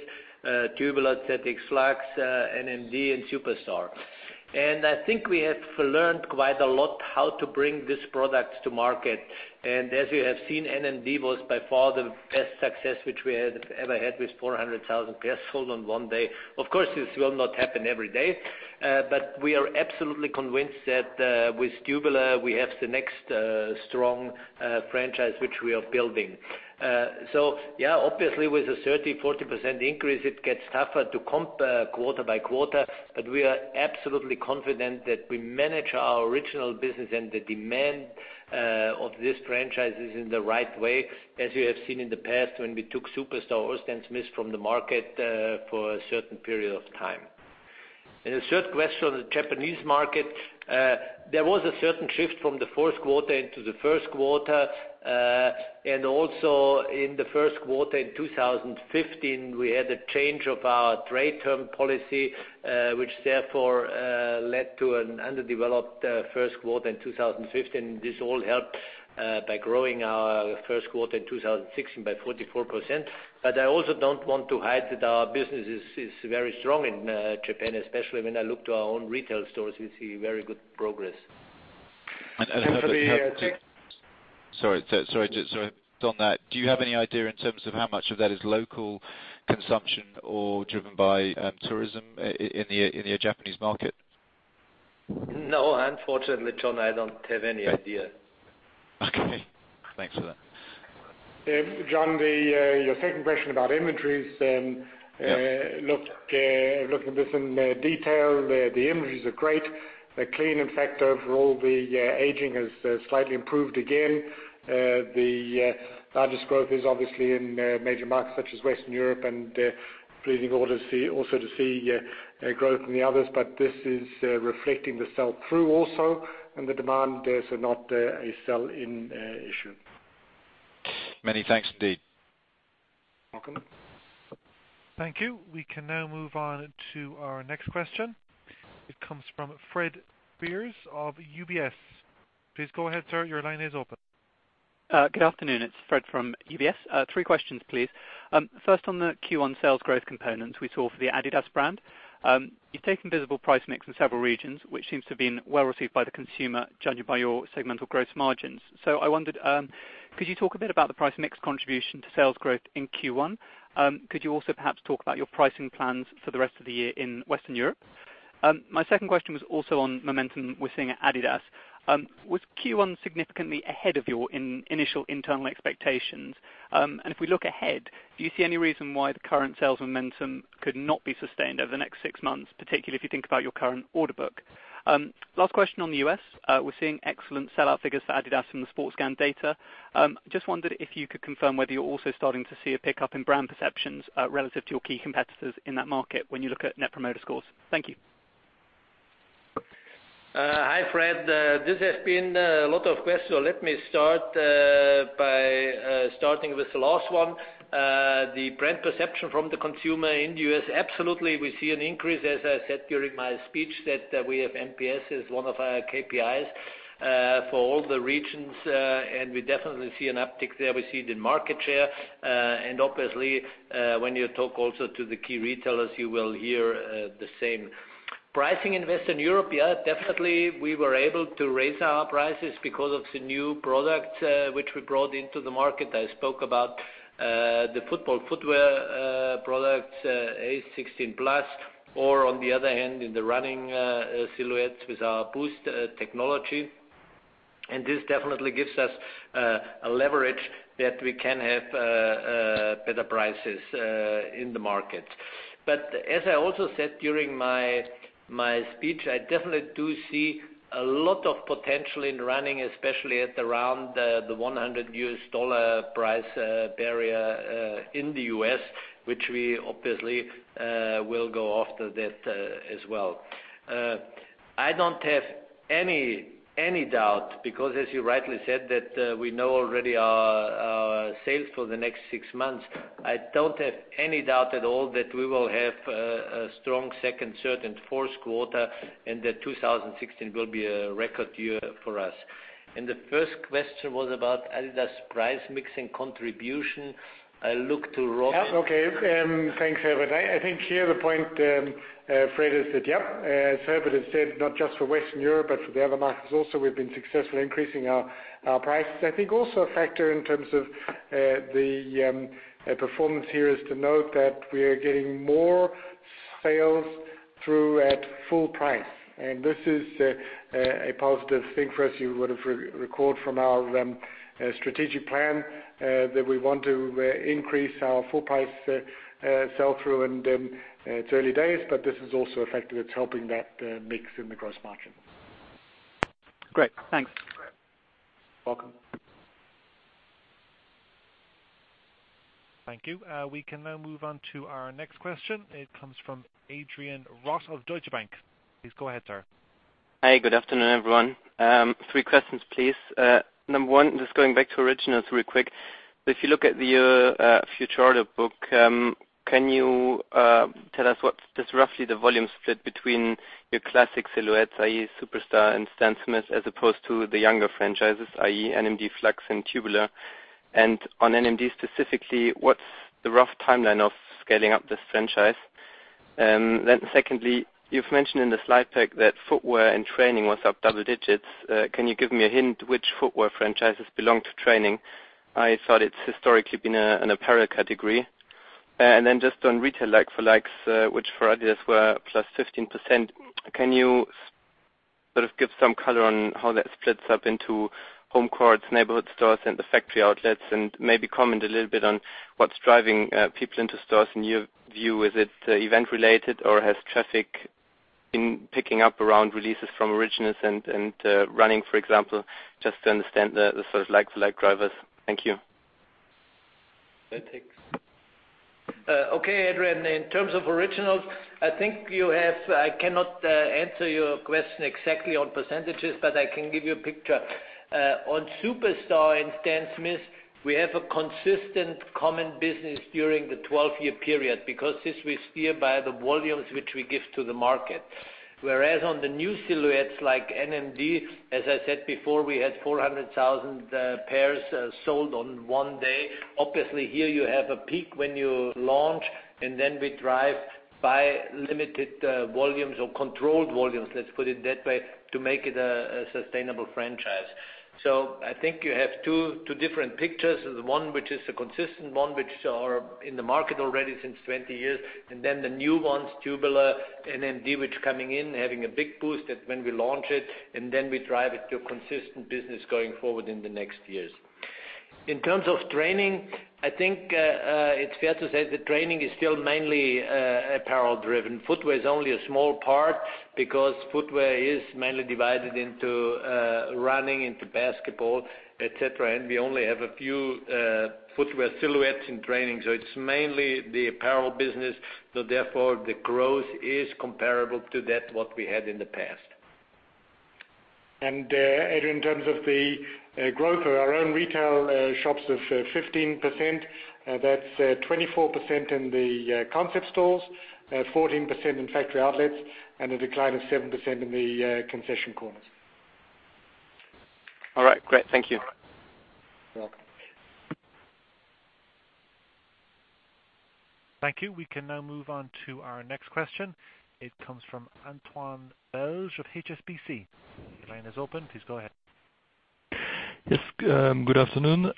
Tubular, ZX Flux, NMD, and Superstar. I think we have learned quite a lot how to bring these products to market. As you have seen, NMD was by far the best success which we had ever had with 400,000 pairs sold in one day. Of course, this will not happen every day, but we are absolutely convinced that with Tubular, we have the next strong franchise which we are building. Obviously with a 30%-40% increase, it gets tougher to compare quarter by quarter, but we are absolutely confident that we manage our Originals business and the demand of these franchises in the right way, as you have seen in the past when we took Superstar or Stan Smith from the market for a certain period of time. The third question on the Japanese market, there was a certain shift from the fourth quarter into the first quarter. Also in the first quarter, in 2015, we had a change of our trade term policy, which therefore led to an underdeveloped first quarter in 2015. This all helped by growing our first quarter in 2016 by 44%. I also don't want to hide that our business is very strong in Japan, especially when I look to our own retail stores, we see very good progress. Sorry, John. On that, do you have any idea in terms of how much of that is local consumption or driven by tourism in the Japanese market? No, unfortunately, John, I don't have any idea. Okay. Thanks for that. John, your second question about inventories. Yeah looking at this in detail, the inventories are great. They're clean. In fact, overall, the aging has slightly improved again. The largest growth is obviously in major markets such as Western Europe and pleasing also to see growth in the others. This is reflecting the sell-through also and the demand. These are not a sell-in issue. Many thanks, indeed. Welcome. Thank you. We can now move on to our next question. It comes from Fred Speirs of UBS. Please go ahead, sir. Your line is open. Good afternoon. It's Fred from UBS. Three questions, please. First, on the Q1 sales growth components we saw for the adidas brand. You've taken visible price mix in several regions, which seems to have been well received by the consumer, judging by your segmental gross margins. I wondered, could you talk a bit about the price mix contribution to sales growth in Q1? Could you also perhaps talk about your pricing plans for the rest of the year in Western Europe? My second question was also on momentum we're seeing at adidas. Was Q1 significantly ahead of your initial internal expectations? If we look ahead, do you see any reason why the current sales momentum could not be sustained over the next 6 months, particularly if you think about your current order book? Last question on the U.S. We're seeing excellent sell-out figures for adidas from the SportScan data. Just wondered if you could confirm whether you're also starting to see a pickup in brand perceptions relative to your key competitors in that market when you look at Net Promoter Scores. Thank you. Hi, Fred. This has been a lot of questions. Let me start by starting with the last one. The brand perception from the consumer in the U.S., absolutely, we see an increase, as I said during my speech, that we have NPS as one of our KPIs for all the regions, and we definitely see an uptick there. We see it in market share, and obviously, when you talk also to the key retailers, you will hear the same. Pricing in Western Europe. Yeah, definitely, we were able to raise our prices because of the new product which we brought into the market. I spoke about the football footwear products, ACE 16+, or on the other hand, in the running silhouettes with our Boost technology. This definitely gives us a leverage that we can have better prices in the market. As I also said during my speech, I definitely do see a lot of potential in running, especially at around the $100 U.S. price barrier in the U.S., which we obviously will go after that as well. I don't have any doubt because, as you rightly said, that we know already our sales for the next six months. I don't have any doubt at all that we will have a strong second, third, and fourth quarter, and that 2016 will be a record year for us. The first question was about adidas price mixing contribution. I look to Robin. Yeah. Okay. Thanks, Herbert. I think here the point, Fred, is that, yeah, as Herbert has said, not just for Western Europe, but for the other markets also, we've been successful increasing our prices. I think also a factor in terms of the performance here is to note that we are getting more sales through at full price, and this is a positive thing for us. You would have recalled from our strategic plan that we want to increase our full price sell-through, and it's early days, but this is also a factor that's helping that mix in the gross margin. Great. Thanks. Welcome. Thank you. We can now move on to our next question. It comes from Adrian Rott of Deutsche Bank. Please go ahead, sir. Hi, good afternoon, everyone. Three questions, please. Number one, just going back to Originals really quick. If you look at the future order book, can you tell us what is roughly the volume split between your classic silhouettes, i.e., Superstar and Stan Smith, as opposed to the younger franchises, i.e., NMD, Flux, and Tubular? On NMD specifically, what's the rough timeline of scaling up this franchise? Secondly, you've mentioned in the slide pack that footwear and training was up double digits. Can you give me a hint which footwear franchises belong to training? I thought it's historically been an apparel category. Just on retail like-for-likes, which for adidas were plus 15%, can you sort of give some color on how that splits up into home courts, neighborhood stores and the factory outlets and maybe comment a little bit on what's driving people into stores in your view? Is it event related or has traffic been picking up around releases from Originals and running, for example, just to understand the sort of like-for-like drivers? Thank you. That takes. Okay, Adrian. In terms of adidas Originals, I think I cannot answer your question exactly on percentages, but I can give you a picture. On Superstar and Stan Smith, we have a consistent common business during the 12-year period because this we steer by the volumes which we give to the market. Whereas on the new silhouettes like NMD, as I said before, we had 400,000 pairs sold on one day. Obviously, here you have a peak when you launch and then we drive by limited volumes or controlled volumes, let's put it that way, to make it a sustainable franchise. I think you have two different pictures. The one which is a consistent one, which are in the market already since 20 years, and then the new ones, Tubular, NMD, which are coming in, having a big Boost when we launch it, and then we drive it to a consistent business going forward in the next years. In terms of training, I think, it's fair to say that training is still mainly apparel driven. Footwear is only a small part because footwear is mainly divided into running, into basketball, et cetera, and we only have a few footwear silhouettes in training. It's mainly the apparel business. Therefore, the growth is comparable to that what we had in the past. Adrian, in terms of the growth of our own retail shops of 15%, that's 24% in the concept stores, 14% in factory outlets, and a decline of 7% in the concession corners. All right, great. Thank you. You're welcome. Thank you. We can now move on to our next question. It comes from Antoine Belge of HSBC. Your line is open. Please go ahead. Yes. Good afternoon.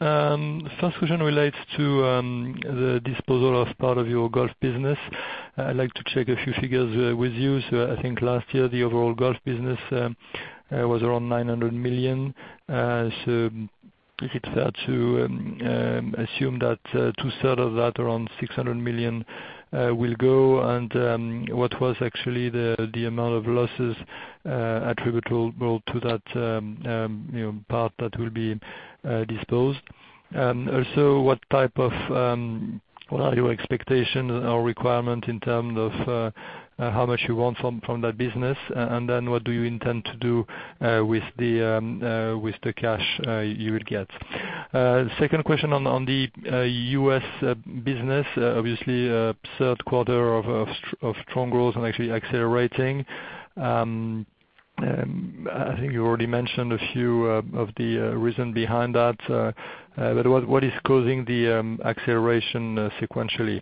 First question relates to the disposal of part of your golf business. I'd like to check a few figures with you. I think last year, the overall golf business was around 900 million. Is it fair to assume that two-third of that, around 600 million, will go? What was actually the amount of losses attributable to that part that will be disposed? Also what are your expectations or requirement in term of how much you want from that business? What do you intend to do with the cash you will get? Second question on the U.S. business. Obviously, third quarter of strong growth and actually accelerating. I think you already mentioned a few of the reason behind that. What is causing the acceleration sequentially?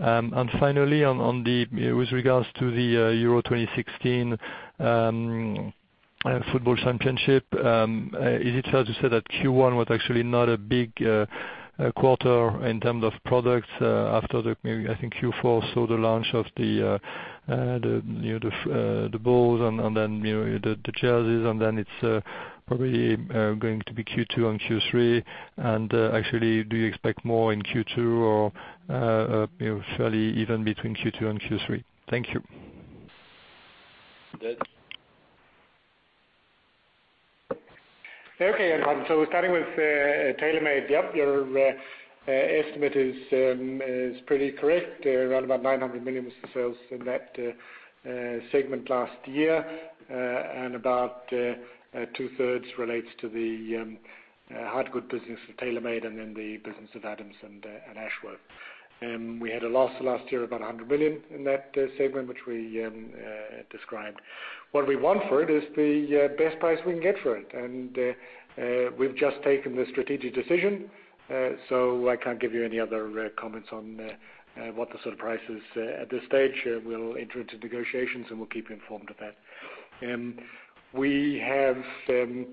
With regards to the Euro 2016 football championship, is it fair to say that Q1 was actually not a big quarter in terms of products after the Q4 saw the launch of the balls and then the jerseys, then it's probably going to be Q2 and Q3. Actually, do you expect more in Q2 or fairly even between Q2 and Q3? Thank you. Good. Okay, Antoine. Starting with TaylorMade. Yep, your estimate is pretty correct. Around about 900 million was the sales in that segment last year. About two-thirds relates to the hard goods business of TaylorMade and then the business of Adams and Ashworth. We had a loss last year of about 100 million in that segment, which we described. What we want for it is the best price we can get for it. We've just taken the strategic decision. I can't give you any other comments on what the sort of price is at this stage. We'll enter into negotiations, and we'll keep you informed of that. We have the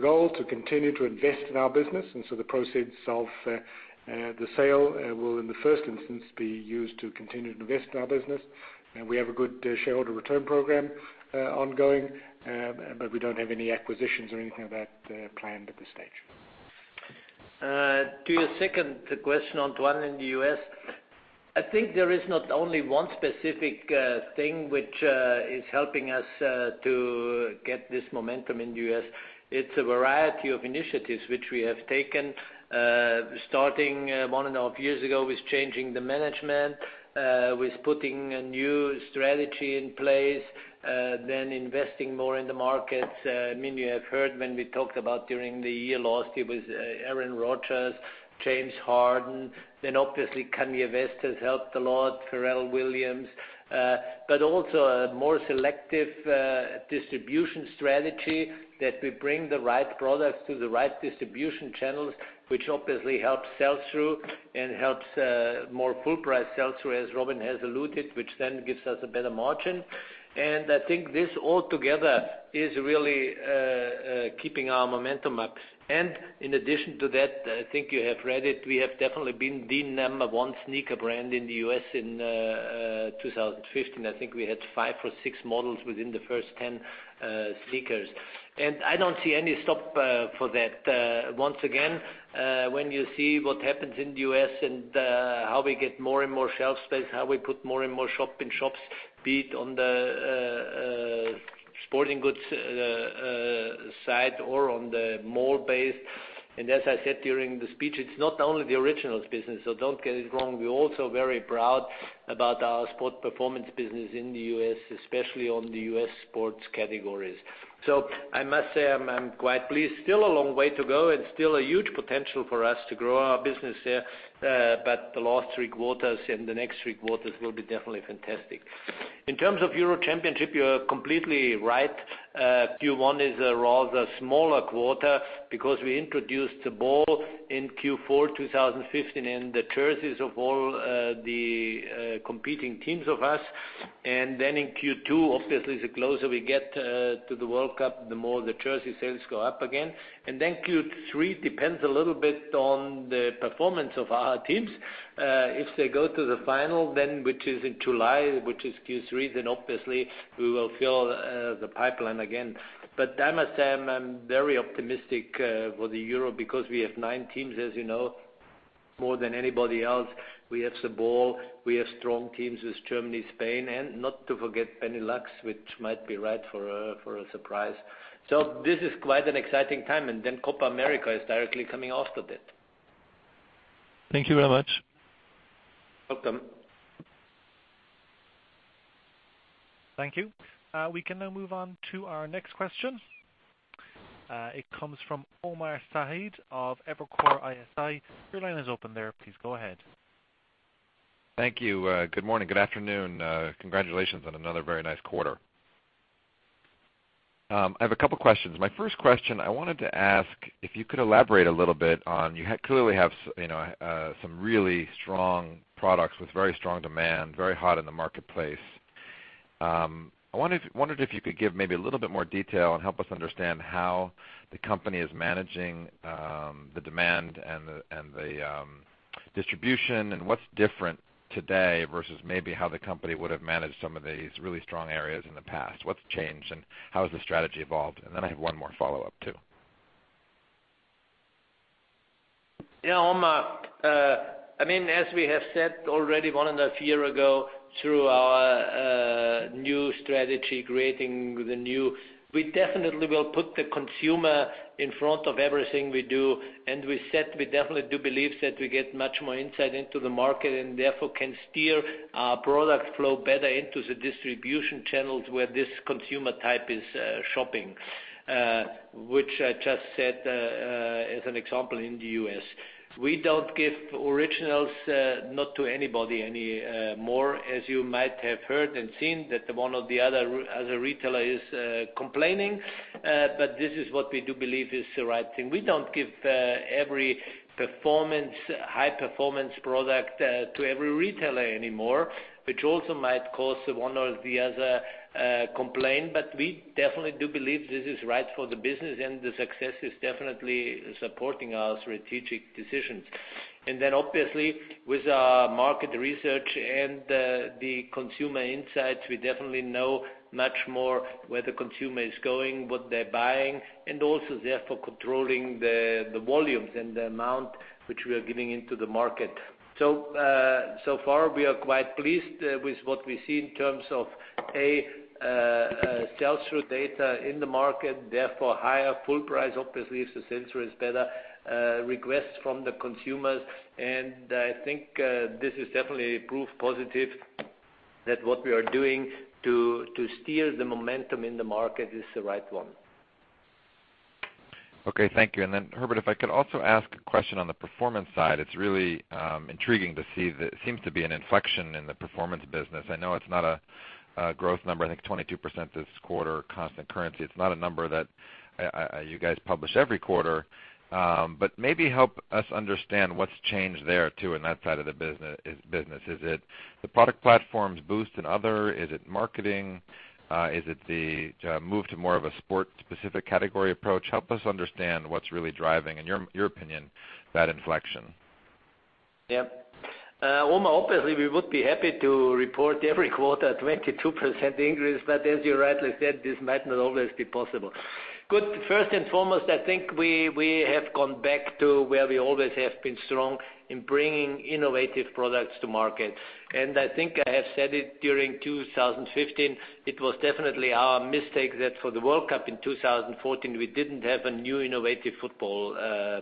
goal to continue to invest in our business, the proceeds of the sale will, in the first instance, be used to continue to invest in our business. We have a good shareholder return program ongoing. We don't have any acquisitions or anything of that planned at this stage. To your second question, Antoine, in the U.S., I think there is not only one specific thing which is helping us to get this momentum in the U.S. It's a variety of initiatives which we have taken, starting one and a half years ago with changing the management, with putting a new strategy in place, then investing more in the markets. I mean, you have heard when we talked about during the year last year with Aaron Rodgers, James Harden, obviously Kanye West has helped a lot, Pharrell Williams. Also a more selective distribution strategy that we bring the right products to the right distribution channels, which obviously helps sell through and helps more full price sell through, as Robin has alluded, which gives us a better margin. I think this all together is really keeping our momentum up. In addition to that, I think you have read it, we have definitely been the number 1 sneaker brand in the U.S. in 2015. I think we had five or six models within the first 10 sneakers. I don't see any stop for that. Once again, when you see what happens in the U.S. and how we get more and more shelf space, how we put more and more shop-in-shops, be it on the sporting goods side or on the mall-based. As I said during the speech, it's not only the originals business, so don't get it wrong. We're also very proud about our sport performance business in the U.S., especially on the U.S. sports categories. I must say, I'm quite pleased. Still a long way to go and still a huge potential for us to grow our business there. The last three quarters and the next three quarters will be definitely fantastic. In terms of UEFA Euro, you are completely right. Q1 is a rather smaller quarter because we introduced the ball in Q4 2015 and the jerseys of all the competing teams of us. In Q2, obviously, the closer we get to the World Cup, the more the jersey sales go up again. Q3 depends a little bit on the performance of our teams. If they go to the final, then, which is in July, which is Q3, then obviously we will fill the pipeline again. I must say, I'm very optimistic for the Euro because we have nine teams, as you know, more than anybody else. We have the ball, we have strong teams with Germany, Spain, and not to forget Benelux, which might be right for a surprise. This is quite an exciting time. Copa América is directly coming after that. Thank you very much. Welcome. Thank you. We can now move on to our next question. It comes from Omar Saad of Evercore ISI. Your line is open there. Please go ahead. Thank you. Good morning. Good afternoon. Congratulations on another very nice quarter. I have a couple questions. My first question, I wanted to ask if you could elaborate a little bit on, you clearly have some really strong products with very strong demand, very hot in the marketplace. I wondered if you could give maybe a little bit more detail and help us understand how the company is managing the demand and the distribution. What's different today versus maybe how the company would have managed some of these really strong areas in the past? What's changed, and how has the strategy evolved? I have one more follow-up, too. Omar, as we have said already, more than a year ago, through our new strategy, Creating the New, we definitely will put the consumer in front of everything we do. We said we definitely do believe that we get much more insight into the market and therefore can steer our product flow better into the distribution channels where this consumer type is shopping, which I just said as an example in the U.S. We don't give Originals, not to anybody anymore, as you might have heard and seen that one of the other retailer is complaining. This is what we do believe is the right thing. We don't give every high-performance product to every retailer anymore, which also might cause one or the other complaint, but we definitely do believe this is right for the business, and the success is definitely supporting our strategic decisions. Obviously, with our market research and the consumer insights, we definitely know much more where the consumer is going, what they're buying, and also, therefore, controlling the volumes and the amount which we are giving into the market. So far, we are quite pleased with what we see in terms of, A, sell-through data in the market, therefore higher full price. Obviously, if the sense is better, requests from the consumers, I think this is definitely proof positive that what we are doing to steer the momentum in the market is the right one. Okay. Thank you. Herbert, if I could also ask a question on the performance side. It's really intriguing to see there seems to be an inflection in the performance business. I know it's not a growth number. I think 22% this quarter constant currency. It's not a number that you guys publish every quarter. Maybe help us understand what's changed there, too, in that side of the business. Is it the product platforms Boost and other? Is it marketing? Is it the move to more of a sport-specific category approach? Help us understand what's really driving, in your opinion, that inflection. Omar, obviously, we would be happy to report every quarter 22% increase, but as you rightly said, this might not always be possible. Good. First and foremost, I think we have gone back to where we always have been strong in bringing innovative products to market. I think I have said it during 2015, it was definitely our mistake that for the World Cup in 2014, we didn't have a new innovative football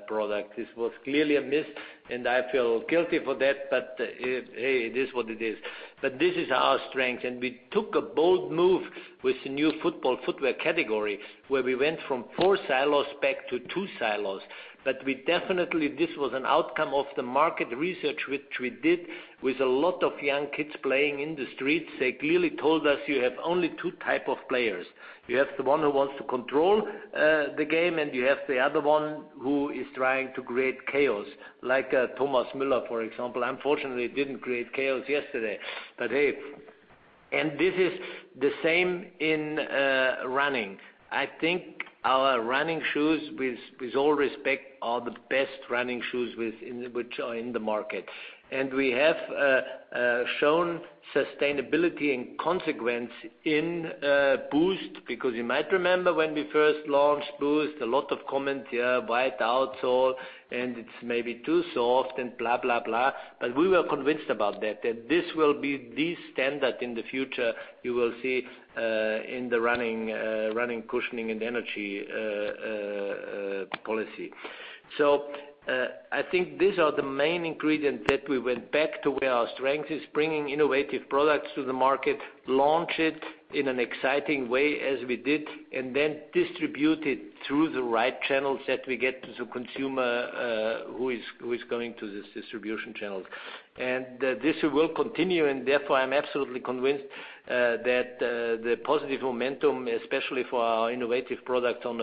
product. This was clearly a miss, and I feel guilty for that, but, hey, it is what it is. This is our strength. We took a bold move with the new football footwear category, where we went from 4 silos back to 2 silos. Definitely this was an outcome of the market research which we did with a lot of young kids playing in the streets. They clearly told us you have only type 2 of players. You have the one who wants to control the game, and you have the other one who is trying to create chaos, like Thomas Müller, for example. Unfortunately, he didn't create chaos yesterday. Hey. This is the same in running. I think our running shoes, with all respect, are the best running shoes which are in the market. We have shown sustainability and consequence in Boost, because you might remember when we first launched Boost, a lot of comments, white outsole, and it's maybe too soft and blah, blah. We were convinced about that this will be the standard in the future, you will see in the running cushioning and energy policy. I think these are the main ingredients that we went back to where our strength is, bringing innovative products to the market, launch it in an exciting way as we did, and then distribute it through the right channels that we get to the consumer who is coming to this distribution channels. This will continue, and therefore, I'm absolutely convinced that the positive momentum, especially for our innovative products on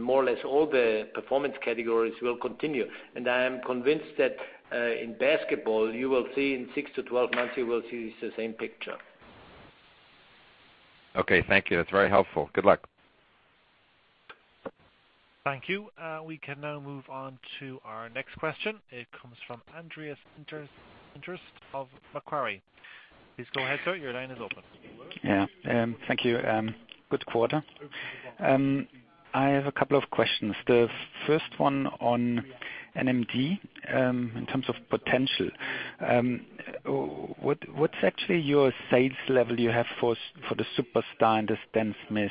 more or less all the performance categories will continue. I am convinced that in basketball, you will see in 6 to 12 months, you will see it's the same picture. Okay, thank you. That's very helpful. Good luck. Thank you. We can now move on to our next question. It comes from Andreas Inderst of Macquarie. Please go ahead, sir. Your line is open. Yeah. Thank you. Good quarter. I have a couple of questions. The first one on NMD, in terms of potential. What's actually your sales level you have for the Superstar and the Stan Smith,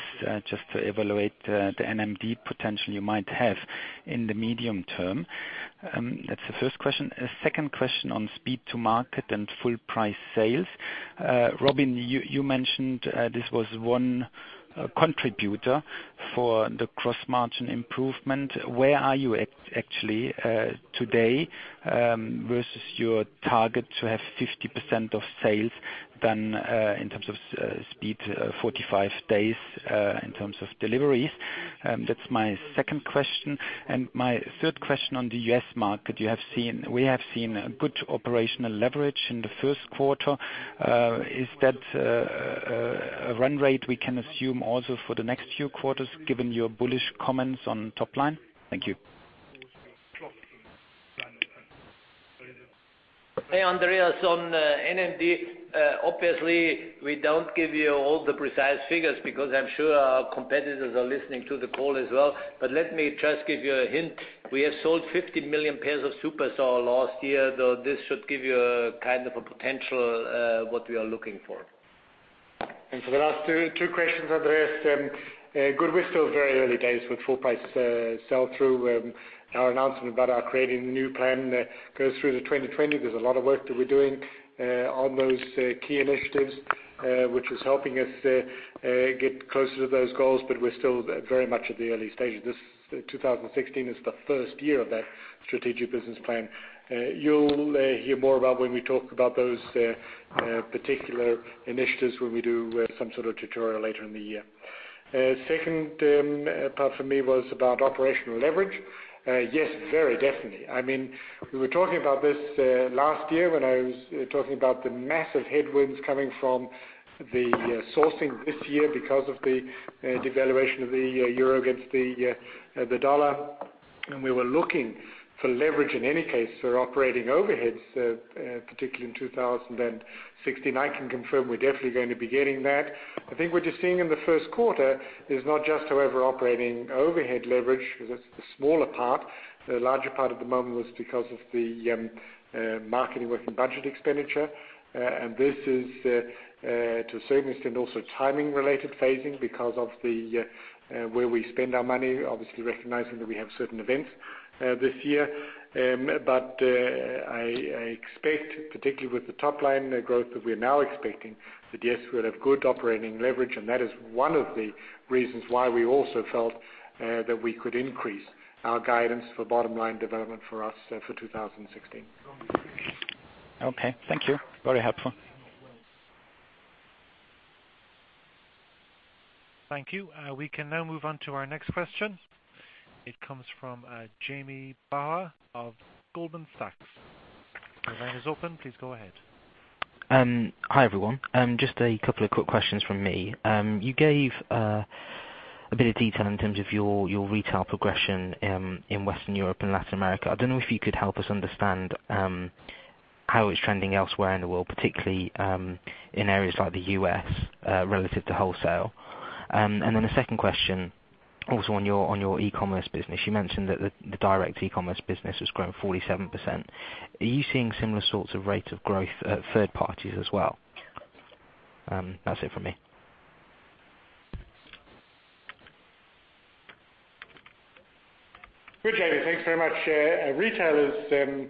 just to evaluate the NMD potential you might have in the medium term? That's the first question. A second question on speed to market and full price sales. Robin, you mentioned this was one contributor for the gross margin improvement. Where are you actually today, versus your target to have 50% of sales than in terms of speed, 45 days in terms of deliveries? That's my second question. My third question on the U.S. market. We have seen a good operational leverage in the first quarter. Is that a run rate we can assume also for the next few quarters, given your bullish comments on top line? Thank you. Hey, Andreas. On NMD, obviously we don't give you all the precise figures because I'm sure our competitors are listening to the call as well. Let me just give you a hint. We have sold 50 million pairs of Superstar last year, though this should give you a kind of a potential what we are looking for. For the last two questions, Andreas. Good. We're still very early days with full price sell through. Our announcement about our Creating the New plan goes through to 2020. There's a lot of work that we're doing on those key initiatives which is helping us get closer to those goals, but we're still very much at the early stages. 2016 is the first year of that strategic business plan. You'll hear more about when we talk about those particular initiatives when we do some sort of tutorial later in the year. Second part for me was about operational leverage. Yes, very definitely. We were talking about this last year when I was talking about the massive headwinds coming from the sourcing this year because of the devaluation of the EUR against the USD. We were looking for leverage in any case for operating overheads, particularly in 2016. I can confirm we're definitely going to be getting that. I think what you're seeing in the first quarter is not just, however, operating overhead leverage. That's the smaller part. The larger part at the moment was because of the marketing working budget expenditure. This is, to a certain extent, also timing-related phasing because of where we spend our money, obviously recognizing that we have certain events this year. I expect, particularly with the top-line growth that we're now expecting, that yes, we'll have good operating leverage, and that is one of the reasons why we also felt that we could increase our guidance for bottom-line development for us for 2016. Okay. Thank you. Very helpful. Thank you. We can now move on to our next question. It comes from Jamie Bowler of Goldman Sachs. Your line is open. Please go ahead. Hi, everyone. Just a couple of quick questions from me. You gave a bit of detail in terms of your retail progression in Western Europe and Latin America. I don't know if you could help us understand how it's trending elsewhere in the world, particularly in areas like the U.S. relative to wholesale. Then a second question, also on your e-commerce business. You mentioned that the direct e-commerce business has grown 47%. Are you seeing similar sorts of rate of growth at third parties as well? That's it for me. Good, Jamie. Thanks very much. Retail is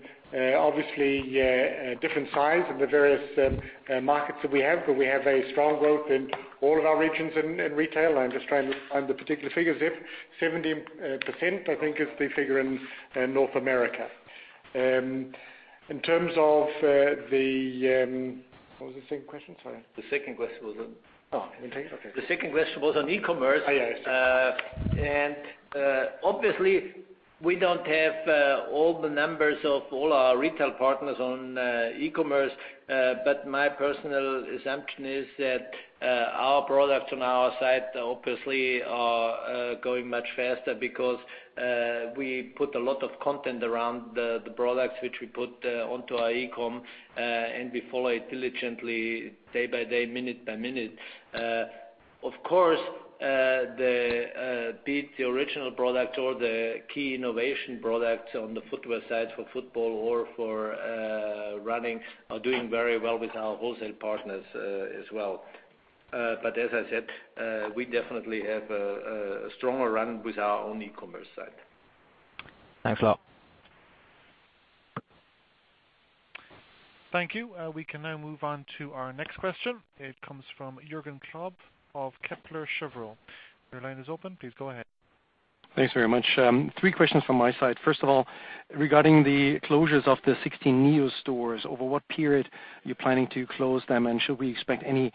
obviously a different size in the various markets that we have, but we have a strong growth in all of our regions in retail. I'm just trying to find the particular figures. 70%, I think, is the figure in North America. In terms of the What was the second question? Sorry. The second question was. Oh, okay. The second question was on e-commerce. Yes. Obviously we don't have all the numbers of all our retail partners on e-commerce, my personal assumption is that our products on our site obviously are going much faster because we put a lot of content around the products which we put onto our e-com, and we follow it diligently day by day, minute by minute. Of course, be it the original product or the key innovation product on the footwear side for football or for running are doing very well with our wholesale partners as well. As I said, we definitely have a stronger run with our own e-commerce side. Thanks a lot. Thank you. We can now move on to our next question. It comes from Jürgen Kolb of Kepler Cheuvreux. Your line is open. Please go ahead. Thanks very much. Three questions from my side. First of all, regarding the closures of the 16 NEO stores, over what period are you planning to close them, and should we expect any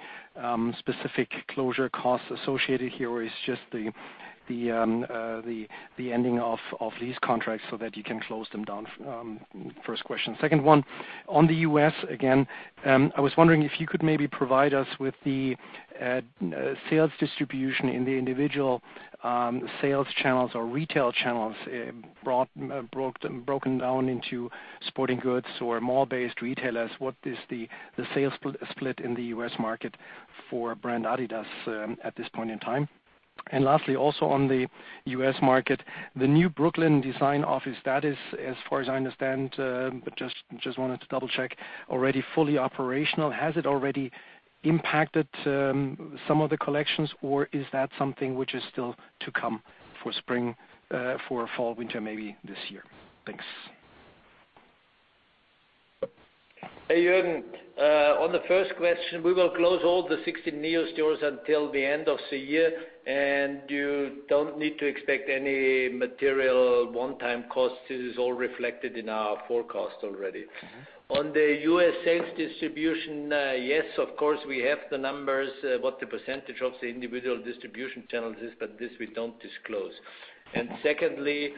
specific closure costs associated here, or it's just the ending of these contracts so that you can close them down? First question. Second one, on the U.S. again, I was wondering if you could maybe provide us with the sales distribution in the individual sales channels or retail channels broken down into sporting goods or mall-based retailers. What is the sales split in the U.S. market for brand adidas at this point in time? Lastly, also on the U.S. market, the new Brooklyn design office, that is as far as I understand, but just wanted to double-check, already fully operational. Has it already impacted some of the collections or is that something which is still to come for fall/winter maybe this year? Thanks. Hey, Jürgen. On the first question, we will close all the 16 NEO stores until the end of the year. You don't need to expect any material one-time cost. It is all reflected in our forecast already. On the U.S. sales distribution, yes, of course, we have the numbers, what the percentage of the individual distribution channels is. This we don't disclose. Thirdly,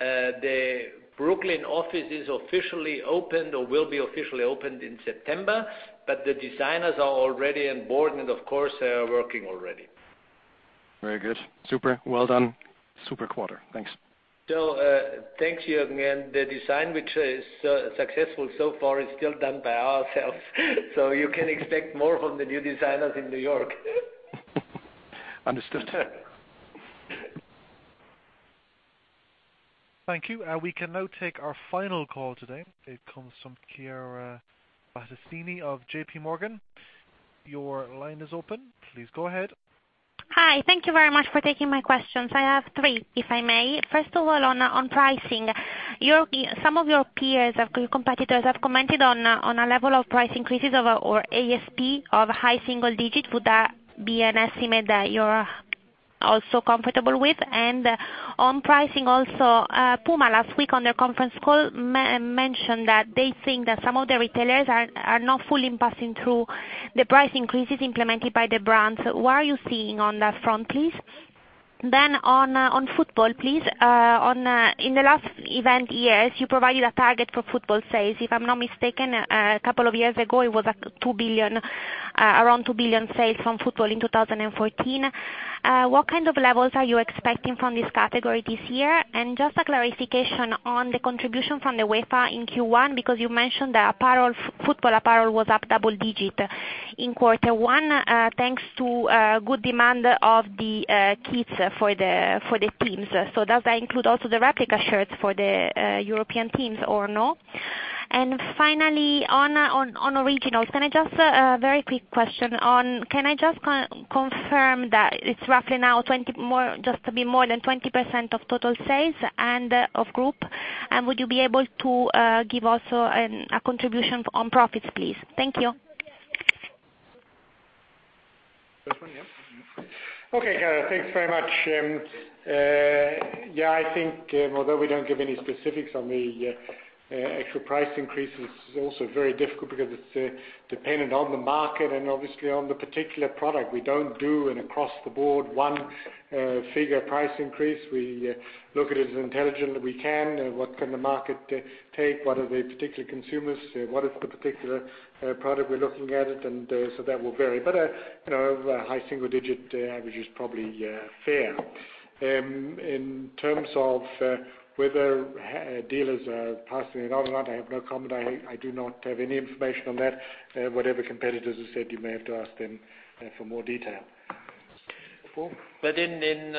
the Brooklyn office is officially opened or will be officially opened in September. The designers are already on board. Of course, they are working already. Very good. Super. Well done. Super quarter. Thanks. Thank you, Jürgen. The design, which is successful so far, is still done by ourselves. You can expect more from the new designers in New York. Understood. Thank you. We can now take our final call today. It comes from Chiara Battistini of JPMorgan. Your line is open. Please go ahead. Hi. Thank you very much for taking my questions. I have three, if I may. First of all, on pricing. Some of your peers, your competitors, have commented on a level of price increases over our ASP of high single digit. Would that be an estimate that you're also comfortable with? On pricing also, Puma last week on their conference call mentioned that they think that some of the retailers are not fully passing through the price increases implemented by the brands. What are you seeing on that front, please? On football, please. In the last event years, you provided a target for football sales. If I'm not mistaken, a couple of years ago, it was around 2 billion sales from football in 2014. What kind of levels are you expecting from this category this year? Just a clarification on the contribution from the UEFA in Q1, because you mentioned the football apparel was up double-digit in Q1, thanks to good demand of the kits for the teams. Does that include also the replica shirts for the European teams or no? Finally, on Originals. Can I just confirm that it's roughly now just a bit more than 20% of total sales and of group? Would you be able to give also a contribution on profits, please? Thank you. First one, yeah. Okay, Chiara, thanks very much. I think although we don't give any specifics on the actual price increases, it's also very difficult because it's dependent on the market and obviously on the particular product. We don't do an across-the-board one-figure price increase. We look at it as intelligently we can. What can the market take? What are the particular consumers? What is the particular product we're looking at it? That will vary. But a high single-digit average is probably fair. In terms of whether dealers are passing it on or not, I have no comment. I do not have any information on that. Whatever competitors have said, you may have to ask them for more detail. Paul? In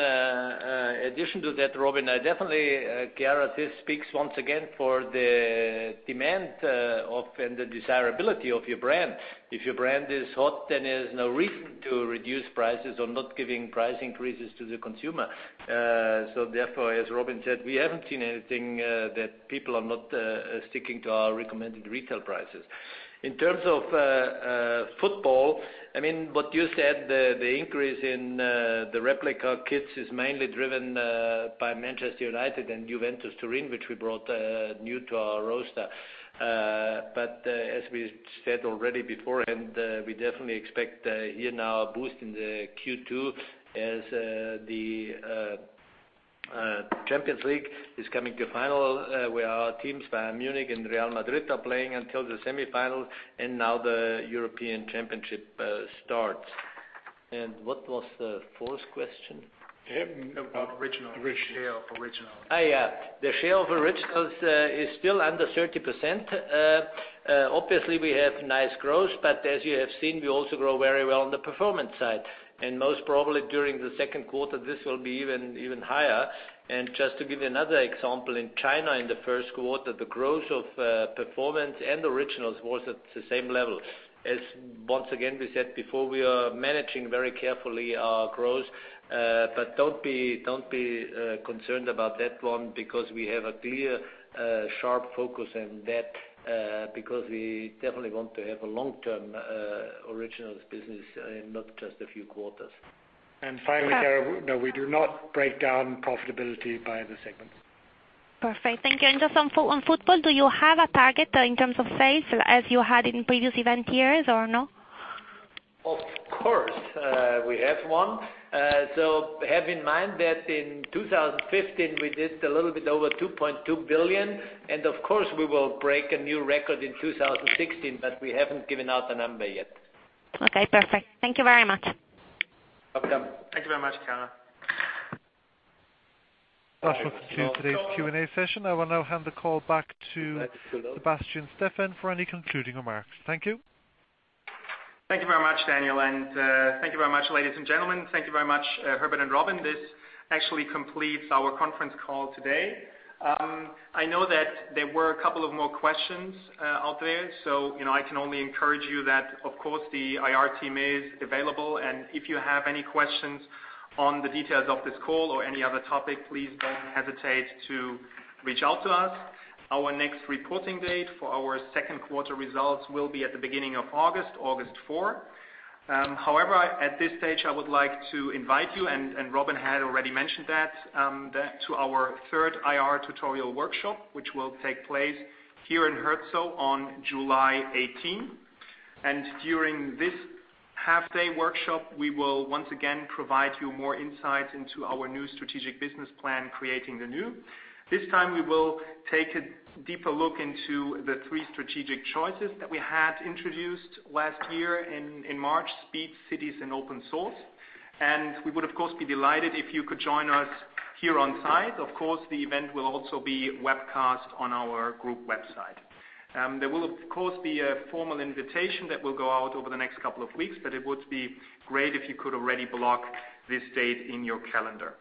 addition to that, Robin, definitely, Chiara, this speaks once again for the demand and the desirability of your brand. If your brand is hot, there's no reason to reduce prices or not giving price increases to the consumer. Therefore, as Robin said, we haven't seen anything that people are not sticking to our recommended retail prices. In terms of football, what you said, the increase in the replica kits is mainly driven by Manchester United and Juventus Turin, which we brought new to our roster. As we said already beforehand, we definitely expect here now a boost in the Q2 as the Champions League is coming to a final where our teams, Bayern Munich and Real Madrid, are playing until the semifinals, and now the European Championship starts. What was the fourth question? About Originals. The share of Originals. The share of Originals is still under 30%. Obviously, we have nice growth, but as you have seen, we also grow very well on the performance side. Most probably during the second quarter, this will be even higher. Just to give you another example, in China in the first quarter, the growth of performance and Originals was at the same level. Once again we said before, we are managing very carefully our growth. Don't be concerned about that one because we have a clear, sharp focus on that, because we definitely want to have a long-term Originals business, not just a few quarters. Finally, Chiara, no, we do not break down profitability by the segments. Perfect. Thank you. Just on football, do you have a target in terms of sales as you had in previous event years or no? Of course, we have one. Have in mind that in 2015, we did a little bit over 2.2 billion. Of course, we will break a new record in 2016, but we haven't given out a number yet. Okay, perfect. Thank you very much. Welcome. Thank you very much, Chiara. That's it for today's Q&A session. I will now hand the call back to Sebastian Steffen for any concluding remarks. Thank you. Thank you very much, Daniel. Thank you very much, ladies and gentlemen. Thank you very much, Herbert and Robin. This actually completes our conference call today. I know that there were a couple of more questions out there, so I can only encourage you that, of course, the IR team is available, and if you have any questions on the details of this call or any other topic, please don't hesitate to reach out to us. Our next reporting date for our second quarter results will be at the beginning of August 4. However, at this stage, I would like to invite you, and Robin had already mentioned that, to our third IR tutorial workshop, which will take place here in Herzogenaurach on July 18. During this half-day workshop, we will once again provide you more insight into our new strategic business plan, Creating the New. This time, we will take a deeper look into the three strategic choices that we had introduced last year in March: speed, cities, and open source. We would, of course, be delighted if you could join us here on site. Of course, the event will also be webcast on our Group website. There will, of course, be a formal invitation that will go out over the next couple of weeks, but it would be great if you could already block this date in your calendar.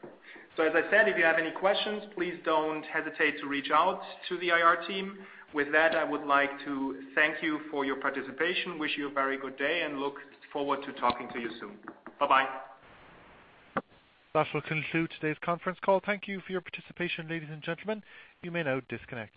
As I said, if you have any questions, please don't hesitate to reach out to the IR team. With that, I would like to thank you for your participation, wish you a very good day, and look forward to talking to you soon. Bye-bye. That will conclude today's conference call. Thank you for your participation, ladies and gentlemen. You may now disconnect.